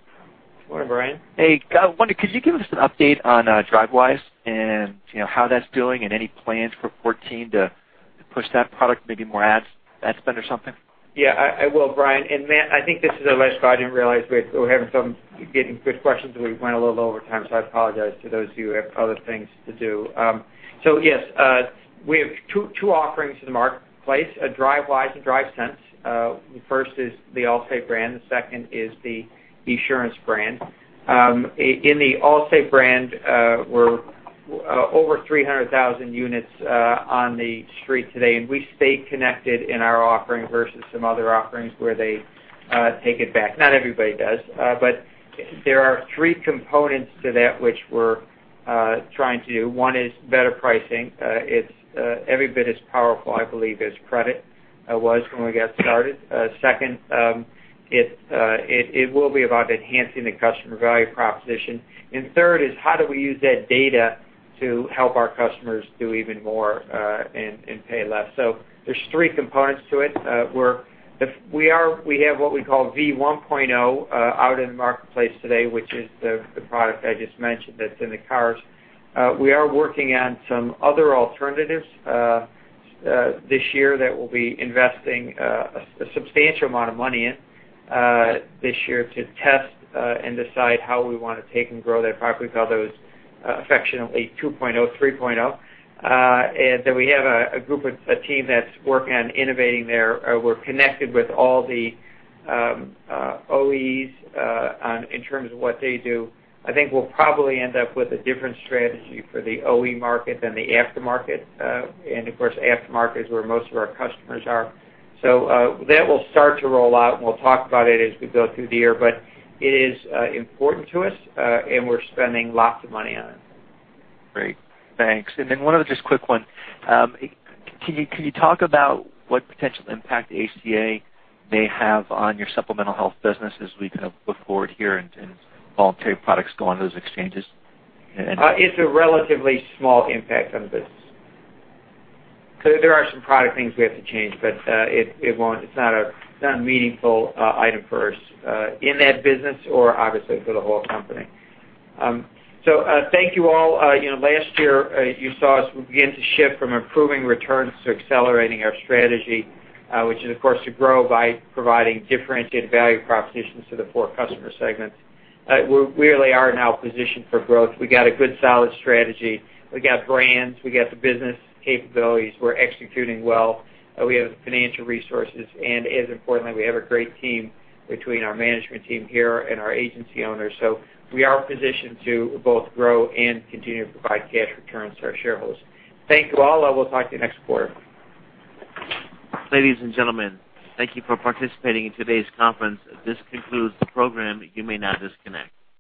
C: Morning, Brian.
M: Hey. I wonder, could you give us an update on Drivewise and how that's doing, and any plans for 2014 to push that product, maybe more ad spend or something?
C: Yeah, I will, Brian. Matt, I think this is our last call. I didn't realize we were getting good questions, we went a little bit over time, I apologize to those of you who have other things to do. Yes, we have two offerings in the marketplace, Drivewise and DriveSense. The first is the Allstate brand, the second is the Esurance brand. In the Allstate brand, we're over 300,000 units on the street today. We stay connected in our offering versus some other offerings where they take it back. Not everybody does. There are three components to that which we're trying to do. One is better pricing. It's every bit as powerful, I believe, as credit was when we got started. Second, it will be about enhancing the customer value proposition. Third is how do we use that data to help our customers do even more, and pay less? There's three components to it. We have what we call V1.0 out in the marketplace today, which is the product I just mentioned that's in the cars. We are working on some other alternatives this year that we'll be investing a substantial amount of money in this year to test, and decide how we want to take and grow that product. We call those affectionately 2.0, 3.0. Then we have a team that's working on innovating there. We're connected with all the OE in terms of what they do. I think we'll probably end up with a different strategy for the OE market than the aftermarket. Of course, aftermarket is where most of our customers are. That will start to roll out, and we'll talk about it as we go through the year. It is important to us, and we're spending lots of money on it.
M: Great. Thanks. One other just quick one. Can you talk about what potential impact ACA may have on your supplemental health business as we kind of look forward here and voluntary products go onto those exchanges?
C: It's a relatively small impact on the business. There are some product things we have to change, but it's not a meaningful item for us, in that business or obviously for the whole company. Thank you all. Last year, you saw us begin to shift from improving returns to accelerating our strategy, which is, of course, to grow by providing differentiated value propositions to the four customer segments. We really are now positioned for growth. We got a good, solid strategy. We got brands, we got the business capabilities. We're executing well. We have the financial resources, and as importantly, we have a great team between our management team here and our agency owners. We are positioned to both grow and continue to provide cash returns to our shareholders. Thank you all, and we'll talk to you next quarter.
A: Ladies and gentlemen, thank you for participating in today's conference. This concludes the program. You may now disconnect.